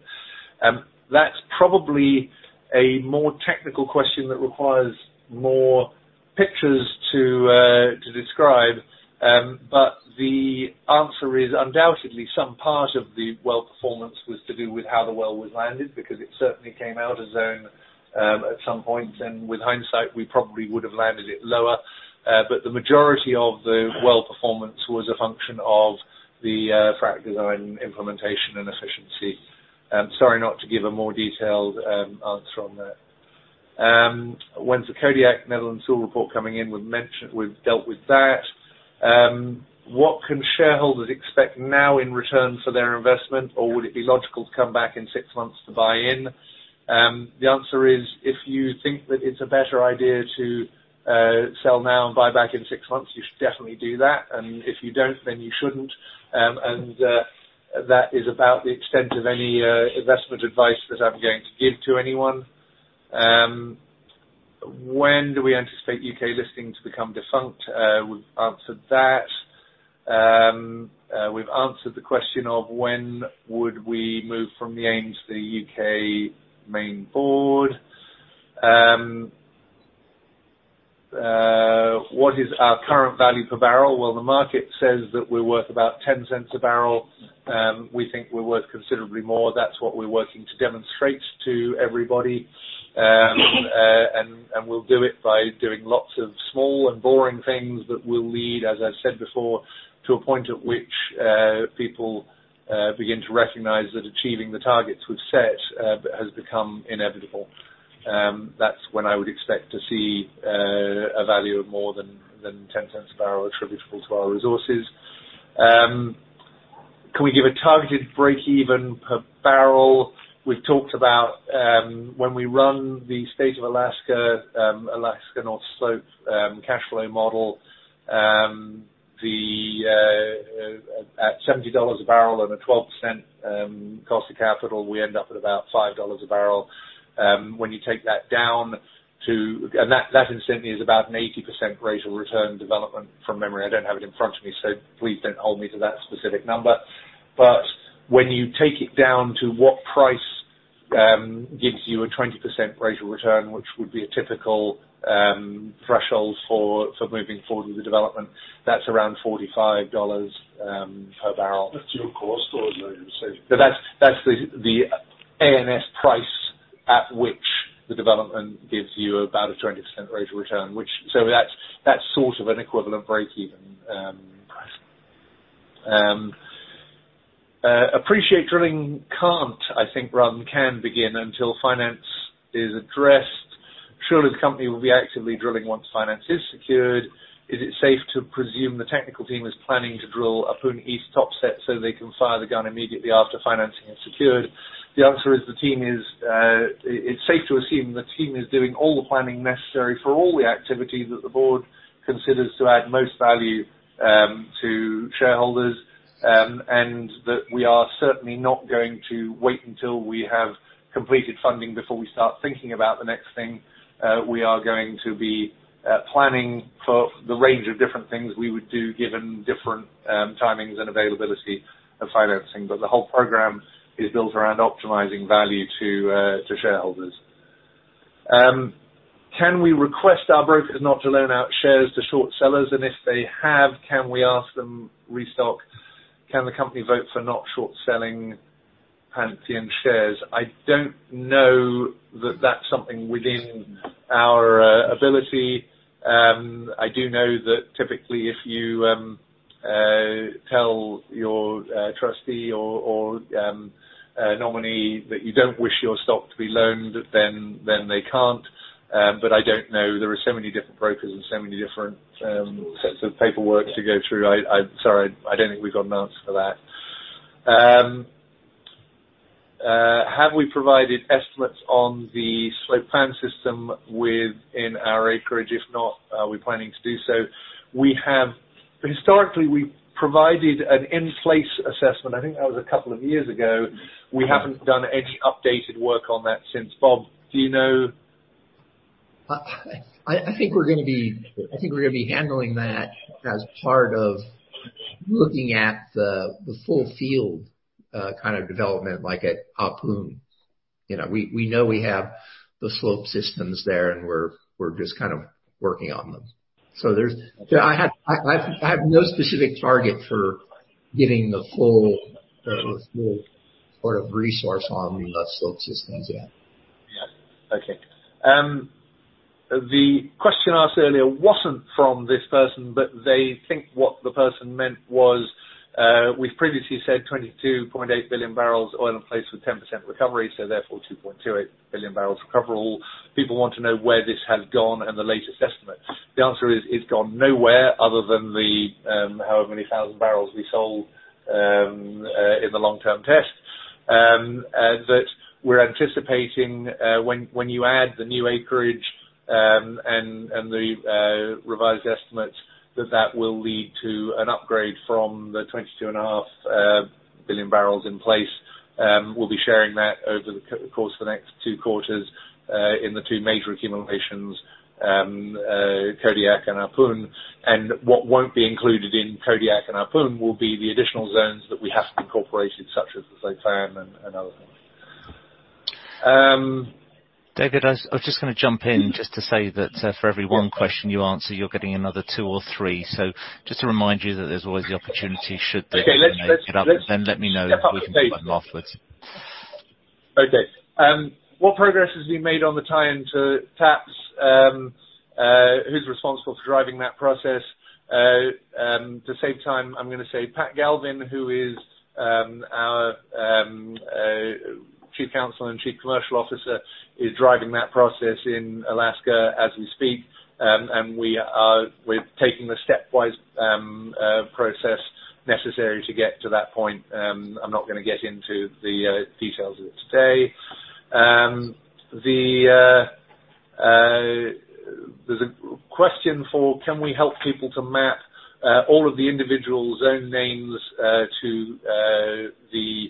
That's probably a more technical question that requires more pictures to describe. The answer is undoubtedly some part of the well performance was to do with how the well was landed because it certainly came out of zone at some point. With hindsight, we probably would have landed it lower. The majority of the well performance was a function of the frac design implementation and efficiency. Sorry, not to give a more detailed answer on that. When's the Netherland Sewell report coming in? We've dealt with that. What can shareholders expect now in return for their investment? Or would it be logical to come back in six months to buy in? The answer is, if you think that it's a better idea to sell now and buy back in six months, you should definitely do that. If you don't, then you shouldn't. That is about the extent of any investment advice that I'm going to give to anyone. When do we anticipate U.K. listings become defunct? We've answered that. We've answered the question of when would we move from the AIM to the U.K. main board. What is our current value per barrel? Well, the market says that we're worth about $0.10 a barrel. We think we're worth considerably more. That's what we're working to demonstrate to everybody. We'll do it by doing lots of small and boring things that will lead, as I said before, to a point at which people begin to recognize that achieving the targets we've set has become inevitable. That's when I would expect to see a value of more than $0.10 a barrel attributable to our resources. Can we give a targeted break-even per barrel? We've talked about when we run the State of Alaska Alaska North Slope cash flow model at $70 a barrel and a 12% cost of capital, we end up at about $5 a barrel. When you take that down to that instantly is about an 80% rate of return development from memory. I don't have it in front of me, so please don't hold me to that specific number. When you take it down to what price gives you a 20% rate of return, which would be a typical threshold for moving forward with the development, that's around $45 per barrel. That's your cost or your return? That's the ANS price at which the development gives you about a 20% rate of return. That's sort of an equivalent break-even. I appreciate that drilling can't begin until finance is addressed. Surely the company will be actively drilling once finance is secured. Is it safe to presume the technical team is planning to drill an Alkaid East topset so they can fire the gun immediately after financing is secured? The answer is it's safe to assume the team is doing all the planning necessary for all the activity that the board considers to add most value to shareholders. That we are certainly not going to wait until we have completed funding before we start thinking about the next thing. We are going to be planning for the range of different things we would do, given different timings and availability of financing. The whole program is built around optimizing value to shareholders. Can we request our brokers not to loan out shares to short sellers? And if they have, can we ask them restock? Can the company vote for not short selling Pantheon shares? I don't know that that's something within our ability. I do know that typically if you tell your trustee or nominee that you don't wish your stock to be loaned, then they can't. But I don't know. There are so many different brokers and so many different sets of paperwork to go through. I'm sorry, I don't think we've got an answer for that. Have we provided estimates on the slope fan system within our acreage? If not, are we planning to do so? We have. Historically, we provided an in place assessment. I think that was a couple of years ago. We haven't done any updated work on that since. Bob, do you know? I think we're gonna be handling that as part of looking at the full field kind of development, like at Ahpun. You know, we know we have the slope systems there, and we're just kind of working on them. Yeah, I have no specific target for getting the full sort of resource on the slope systems yet. Yeah. Okay. The question asked earlier wasn't from this person, but they think what the person meant was, we've previously said 22.8 billion barrels of oil in place with 10% recovery, so therefore 2.28 billion barrels recoverable. People want to know where this has gone and the latest estimate. The answer is it's gone nowhere other than the however many thousand barrels we sold in the long-term test. That we're anticipating when you add the new acreage and the revised estimates, that will lead to an upgrade from the 22.5 billion barrels of oil in place. We'll be sharing that over the course of the next two quarters in the two major accumulations, Kodiak and Appomoo. What won't be included in Kodiak and Appomoo will be the additional zones that we have to incorporate in such as the slope fan and other things. David, I was just gonna jump in just to say that, for every one question you answer, you're getting another two or three. Just to remind you that there's always the opportunity should- Okay. Let's Let me know, and we step up the pace. Okay. What progress has been made on the tie-in to TAPS? Who's responsible for driving that process? To save time, I'm gonna say Pat Galvin, who is our Chief Counsel and Chief Commercial Officer, is driving that process in Alaska as we speak. We're taking the stepwise process necessary to get to that point. I'm not gonna get into the details of it today. There's a question, can we help people to map all of the individual zone names to the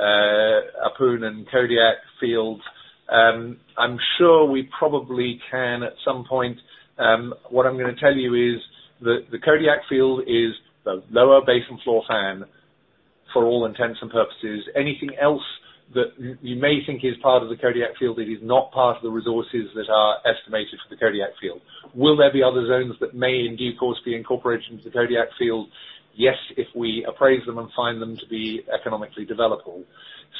Ahpun and Kodiak fields. I'm sure we probably can at some point. What I'm gonna tell you is that the Kodiak field is the lower Basin-Floor Fan, for all intents and purposes. Anything else that you may think is part of the Kodiak field, it is not part of the resources that are estimated for the Kodiak field. Will there be other zones that may, in due course, be incorporated into the Kodiak field? Yes, if we appraise them and find them to be economically developable.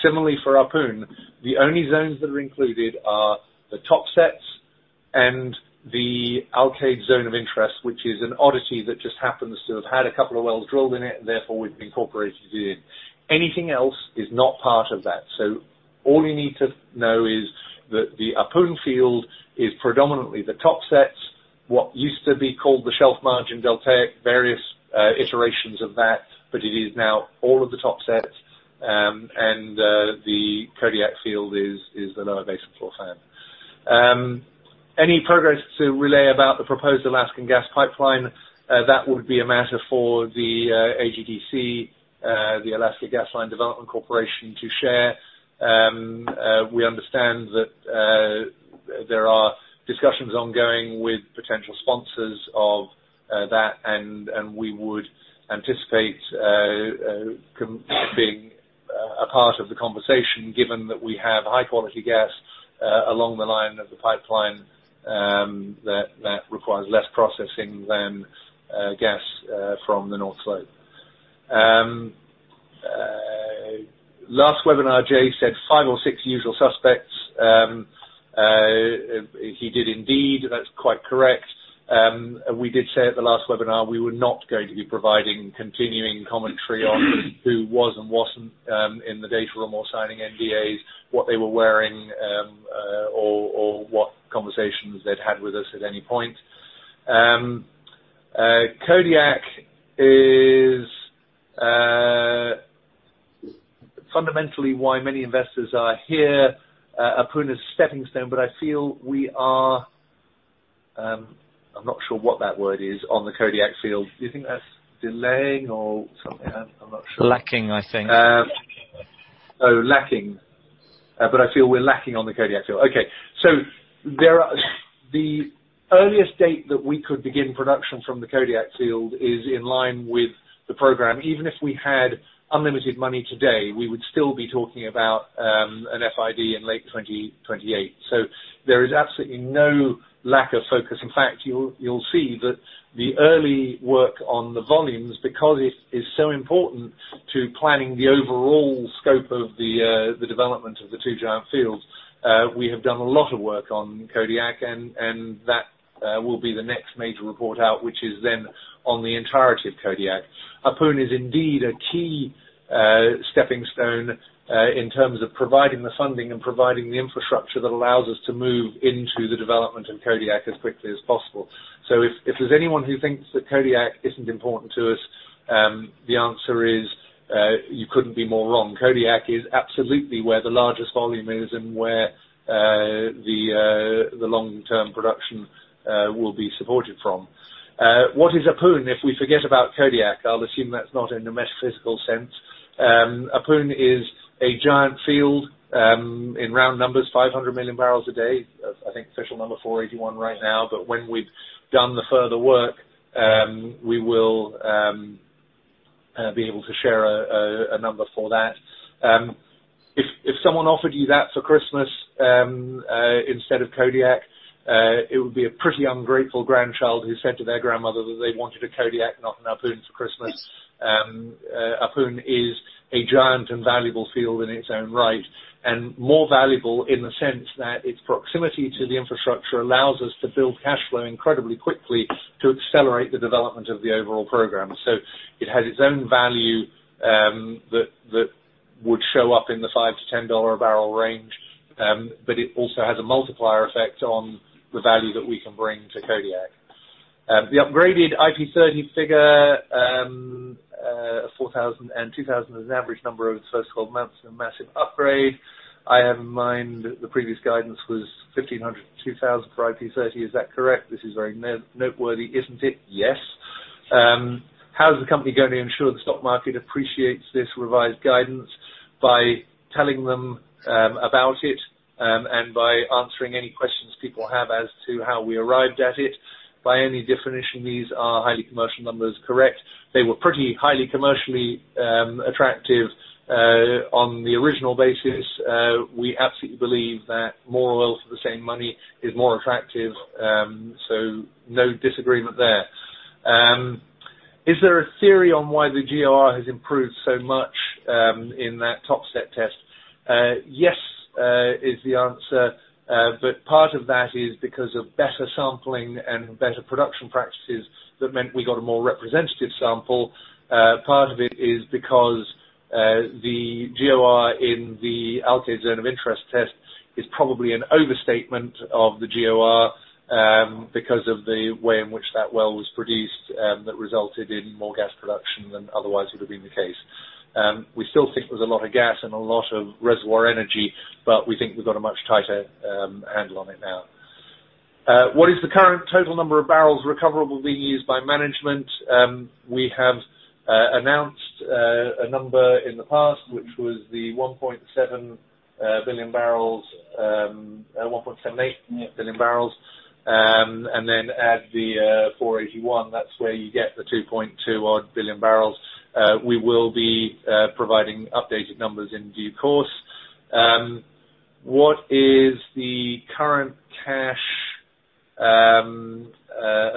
Similarly, for Ahpun, the only zones that are included are the topsets and the Alkaid zone of interest, which is an oddity that just happens to have had a couple of wells drilled in it, and therefore we've incorporated it in. Anything else is not part of that. All you need to know is that the Ahpun field is predominantly the topsets, what used to be called the Shelf Margin Deltaic, various iterations of that, but it is now all of the topsets. The Kodiak field is the lower Basin-Floor Fan. Any progress to relay about the proposed Alaskan gas pipeline? That would be a matter for the AGDC, the Alaska Gasline Development Corporation, to share. We understand that there are discussions ongoing with potential sponsors of that and we would anticipate being a part of the conversation given that we have high quality gas along the line of the pipeline that requires less processing than gas from the North Slope. Last webinar, Jay said five or six usual suspects. He did indeed. That's quite correct. We did say at the last webinar, we were not going to be providing continuing commentary on who was and wasn't in the data room or signing NDAs, what they were wearing, or what conversations they'd had with us at any point. Kodiak is fundamentally why many investors are here. Ahpun is a stepping stone, but I feel we are. I'm not sure what that word is on the Kodiak field. Do you think that's delaying or something? I'm not sure. Lacking, I think. Uh. Lacking. I feel we're lacking on the Kodiak field. The earliest date that we could begin production from the Kodiak field is in line with the program. Even if we had unlimited money today, we would still be talking about an FID in late 2028. There is absolutely no lack of focus. In fact, you'll see that the early work on the volumes, because it is so important to planning the overall scope of the development of the two giant fields, we have done a lot of work on Kodiak, and that will be the next major report out, which is then on the entirety of Kodiak. Ahpun is indeed a key stepping stone in terms of providing the funding and providing the infrastructure that allows us to move into the development of Kodiak as quickly as possible. If there's anyone who thinks that Kodiak isn't important to us, the answer is, you couldn't be more wrong. Kodiak is absolutely where the largest volume is and where the long-term production will be supported from. What is Ahpun if we forget about Kodiak? I'll assume that's not in the metaphysical sense. Ahpun is a giant field, in round numbers, 500 million barrels a day. I think official number 481 right now. When we've done the further work, we will be able to share a number for that. If someone offered you that for Christmas, instead of Kodiak, it would be a pretty ungrateful grandchild who said to their grandmother that they wanted a Kodiak, not an Ahpun for Christmas. Ahpun is a giant and valuable field in its own right, and more valuable in the sense that its proximity to the infrastructure allows us to build cash flow incredibly quickly to accelerate the development of the overall program. It has its own value, that would show up in the $5-$10 per barrel range. It also has a multiplier effect on the value that we can bring to Kodiak. The upgraded IP30 figure, 4,000 and 2,000 as an average number over the first 12 months is a massive upgrade. I have in mind the previous guidance was 1,500-2,000 for IP30. Is that correct? This is very noteworthy, isn't it? Yes. How is the company going to ensure the stock market appreciates this revised guidance? By telling them about it and by answering any questions people have as to how we arrived at it. By any definition, these are highly commercial numbers, correct. They were pretty highly commercially attractive on the original basis. We absolutely believe that more oil for the same money is more attractive. So no disagreement there. Is there a theory on why the GOR has improved so much in that topset test? Yes, is the answer. But part of that is because of better sampling and better production practices that meant we got a more representative sample. Part of it is because the GOR in the Alkaid zone of interest test is probably an overstatement of the GOR, because of the way in which that well was produced, that resulted in more gas production than otherwise would have been the case. We still think there's a lot of gas and a lot of reservoir energy, but we think we've got a much tighter handle on it now. What is the current total number of barrels recoverable being used by management? We have announced a number in the past, which was the 1.7 billion barrels, 1.78 billion barrels. And then add the 481, that's where you get the 2.2-odd billion barrels. We will be providing updated numbers in due course. What is the current cash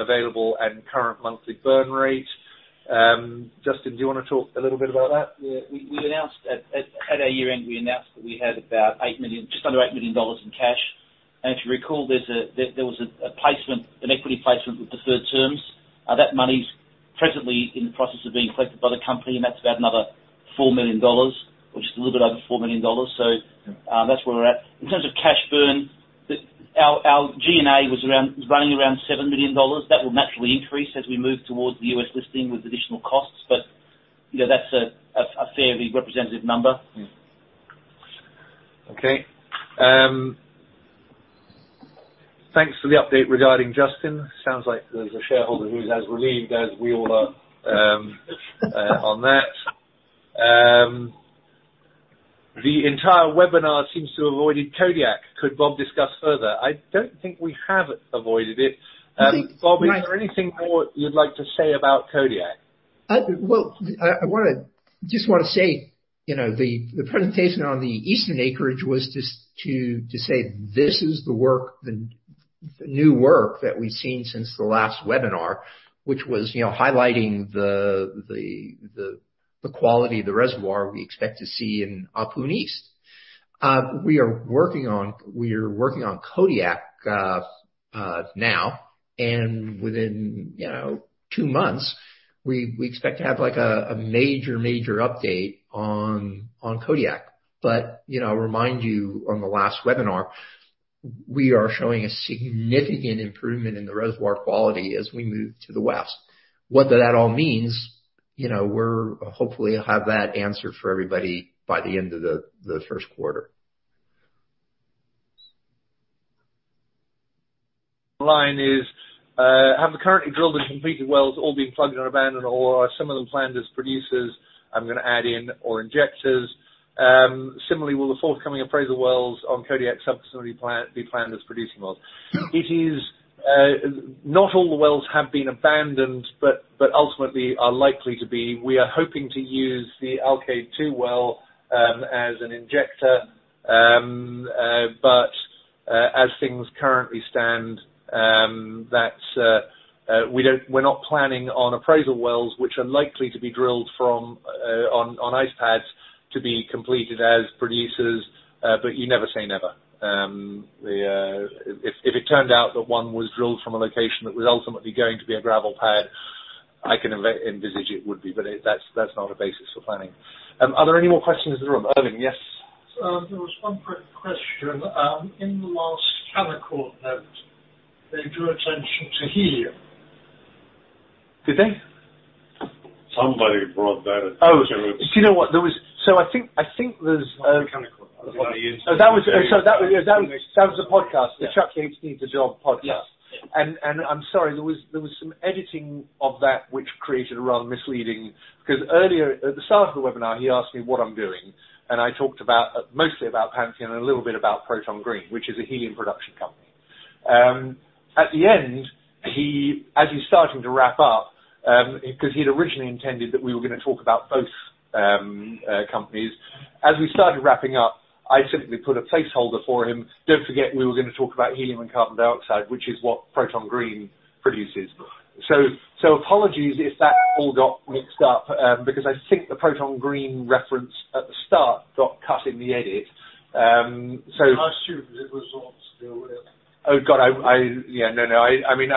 available and current monthly burn rate? Justin, do you wanna talk a little bit about that? We announced at our year-end that we had just under $8 million in cash. If you recall, there was a placement, an equity placement with deferred terms. That money's presently in the process of being collected by the company, and that's about another $4 million or just a little bit over $4 million. That's where we're at. In terms of cash burn, our G&A was running around $7 million. That will naturally increase as we move towards the U.S. listing with additional costs. You know, that's a fairly representative number. Okay. Thanks for the update regarding Justin. Sounds like there's a shareholder who's as relieved as we all are on that. The entire webinar seems to have avoided Kodiak. Could Bob discuss further? I don't think we have avoided it. I think- Bob, is there anything more you'd like to say about Kodiak? Well, I wanna say, you know, the presentation on the eastern acreage was just to say this is the work, the new work that we've seen since the last webinar. Which was, you know, highlighting the quality of the reservoir we expect to see in Ahpun East. We are working on Kodiak now. Within, you know, two months, we expect to have, like a major update on Kodiak. You know, I'll remind you on the last webinar, we are showing a significant improvement in the reservoir quality as we move to the west. What that all means, you know, we're hopefully have that answered for everybody by the end of the first quarter. Line is, have the currently drilled and completed wells all been plugged and abandoned or are some of them planned as producers? I'm gonna add in or injectors. Similarly, will the forthcoming appraisal wells on Kodiak subsequently be planned as producing wells? No. It is not all the wells have been abandoned, but ultimately are likely to be. We are hoping to use the Alkaid-2 well as an injector. As things currently stand, that's. We're not planning on appraisal wells which are likely to be drilled from on ice pads to be completed as producers, but you never say never. If it turned out that one was drilled from a location that was ultimately going to be a gravel pad, I can envisage it would be. That's not a basis for planning. Are there any more questions in the room? Irving, yes. There was one quick question. In the last Canaccord note, they drew attention to helium. Did they? Somebody brought that up. Oh. Do you know what? I think there's The Canaccord. On the institution. Yeah, that was the podcast. Yeah. The Chuck Yates Needs a Job podcast. Yes. Yeah. I'm sorry, there was some editing of that which created a rather misleading. 'Cause earlier, at the start of the webinar, he asked me what I'm doing, and I talked about mostly about Pantheon and a little bit about Proton Green, which is a helium production company. At the end, as he's starting to wrap up, 'cause he'd originally intended that we were gonna talk about both companies. As we started wrapping up, I simply put a placeholder for him. Don't forget we were gonna talk about helium and carbon dioxide, which is what Proton Green produces. Apologies if that all got mixed up, because I think the Proton Green reference at the start got cut in the edit. So. I assumed it was all still there. Oh, God. Yeah, no. I mean,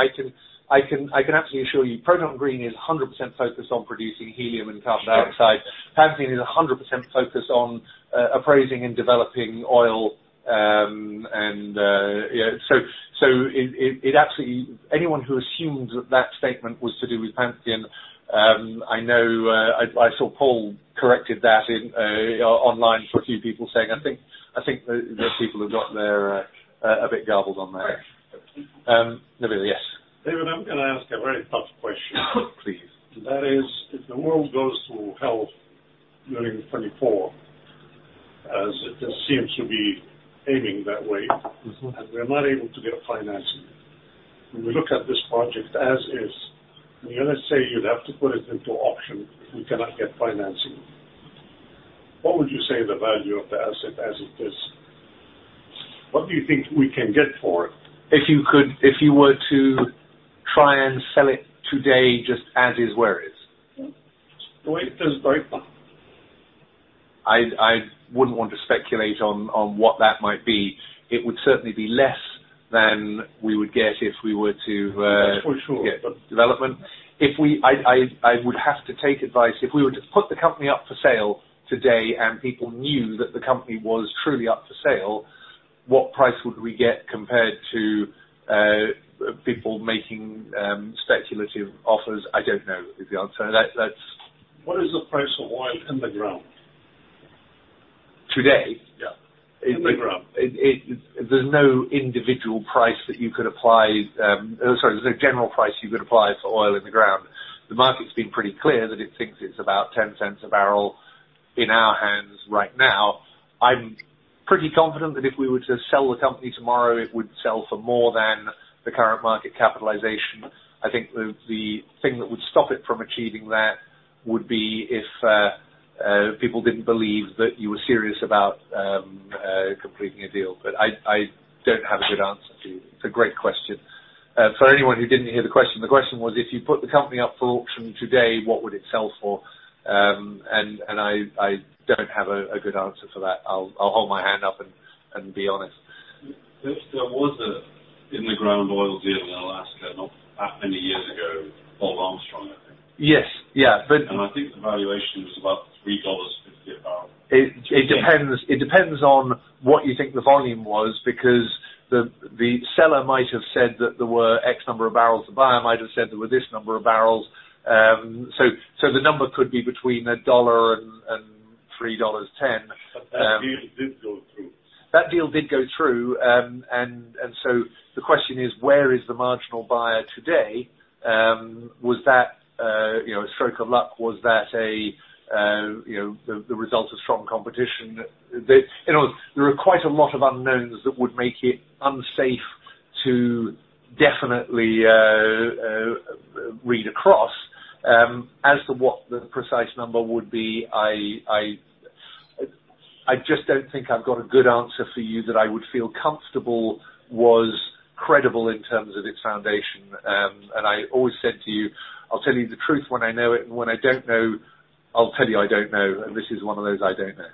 I can absolutely assure you, Proton Green is 100% focused on producing helium and carbon dioxide. Sure. Pantheon is 100% focused on appraising and developing oil. Anyone who assumed that statement was to do with Pantheon, I know, I saw Paul corrected that online for a few people saying, "I think the people have got it a bit garbled on that. Right. Nabil, yes. David, I'm gonna ask a very tough question. Please. That is, if the world goes to hell during 2024, as it seems to be aiming that way. Mm-hmm. We're not able to get financing. When we look at this project as is, and you're gonna say you'd have to put it into auction, we cannot get financing. What would you say the value of the asset as it is today? What do you think we can get for it? If you were to try and sell it today just as is, where is? The way it is right now. I wouldn't want to speculate on what that might be. It would certainly be less than we would get if we were to, That's for sure. Get development. I would have to take advice. If we were to put the company up for sale today and people knew that the company was truly up for sale, what price would we get compared to people making speculative offers? I don't know is the answer. That's What is the price of oil in the ground? Today? Yeah. In the ground. There's no individual price that you could apply. There's no general price you could apply to oil in the ground. The market's been pretty clear that it thinks it's about $0.10 a barrel in our hands right now. I'm pretty confident that if we were to sell the company tomorrow, it would sell for more than the current market capitalization. I think the thing that would stop it from achieving that would be if people didn't believe that you were serious about completing a deal. I don't have a good answer for you. It's a great question. For anyone who didn't hear the question, the question was, if you put the company up for auction today, what would it sell for? I don't have a good answer for that. I'll hold my hand up and be honest. There was an in-the-ground oil deal in Alaska not that many years ago. Paul Armstrong, I think. Yes. Yeah, but I think the valuation was about $3.50 a barrel. It depends on what you think the volume was, because the seller might have said that there were X number of barrels to buy. I might have said there were this number of barrels. So the number could be between $1 and $3.10. That deal did go through. That deal did go through. The question is, where is the marginal buyer today? Was that a stroke of luck? Was that the result of strong competition? There are quite a lot of unknowns that would make it unsafe to definitely read across. As to what the precise number would be, I just don't think I've got a good answer for you that I would feel comfortable was credible in terms of its foundation. I always said to you, "I'll tell you the truth when I know it, and when I don't know, I'll tell you I don't know," and this is one of those I don't know.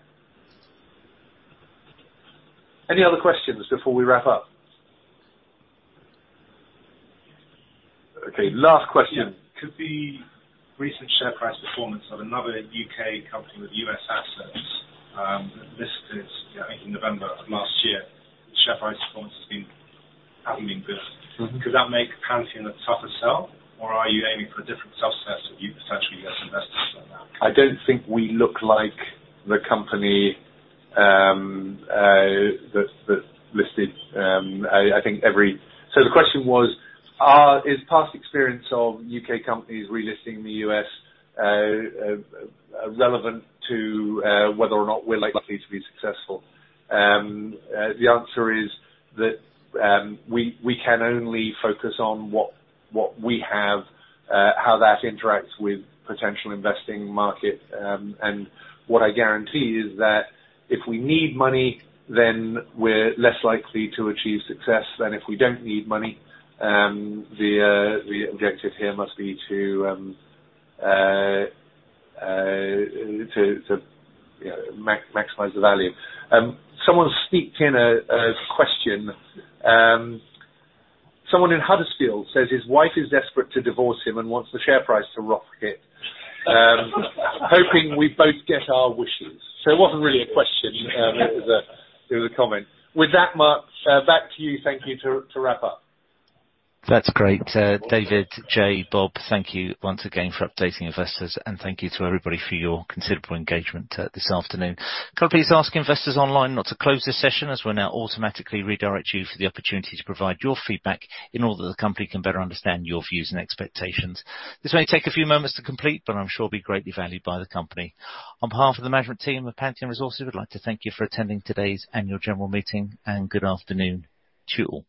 Any other questions before we wrap up? Okay, last question. Yeah. Could the recent share price performance of another U.K. company with U.S. assets, this is, I think November of last year, hasn't been good? Mm-hmm. Could that make Pantheon a tougher sell, or are you aiming for a different success with you potentially as investors by now? The question was, is past experience of U.K. companies relisting in the U.S., relevant to whether or not we're likely to be successful? The answer is that we can only focus on what we have, how that interacts with potential investing markets. What I guarantee is that if we need money, then we're less likely to achieve success than if we don't need money. The objective here must be to, you know, maximize the value. Someone sneaked in a question. Someone in Huddersfield says his wife is desperate to divorce him and wants the share price to rocket. Hoping we both get our wishes. It wasn't really a question, it was a comment. With that, Mark, back to you. Thank you. To wrap up. That's great. David, Jay, Bob, thank you once again for updating investors, and thank you to everybody for your considerable engagement this afternoon. Can I please ask investors online not to close this session as we'll now automatically redirect you for the opportunity to provide your feedback in order that the company can better understand your views and expectations. This may take a few moments to complete, but I'm sure it'll be greatly valued by the company. On behalf of the management team of Pantheon Resources, we'd like to thank you for attending today's annual general meeting, and good afternoon to all.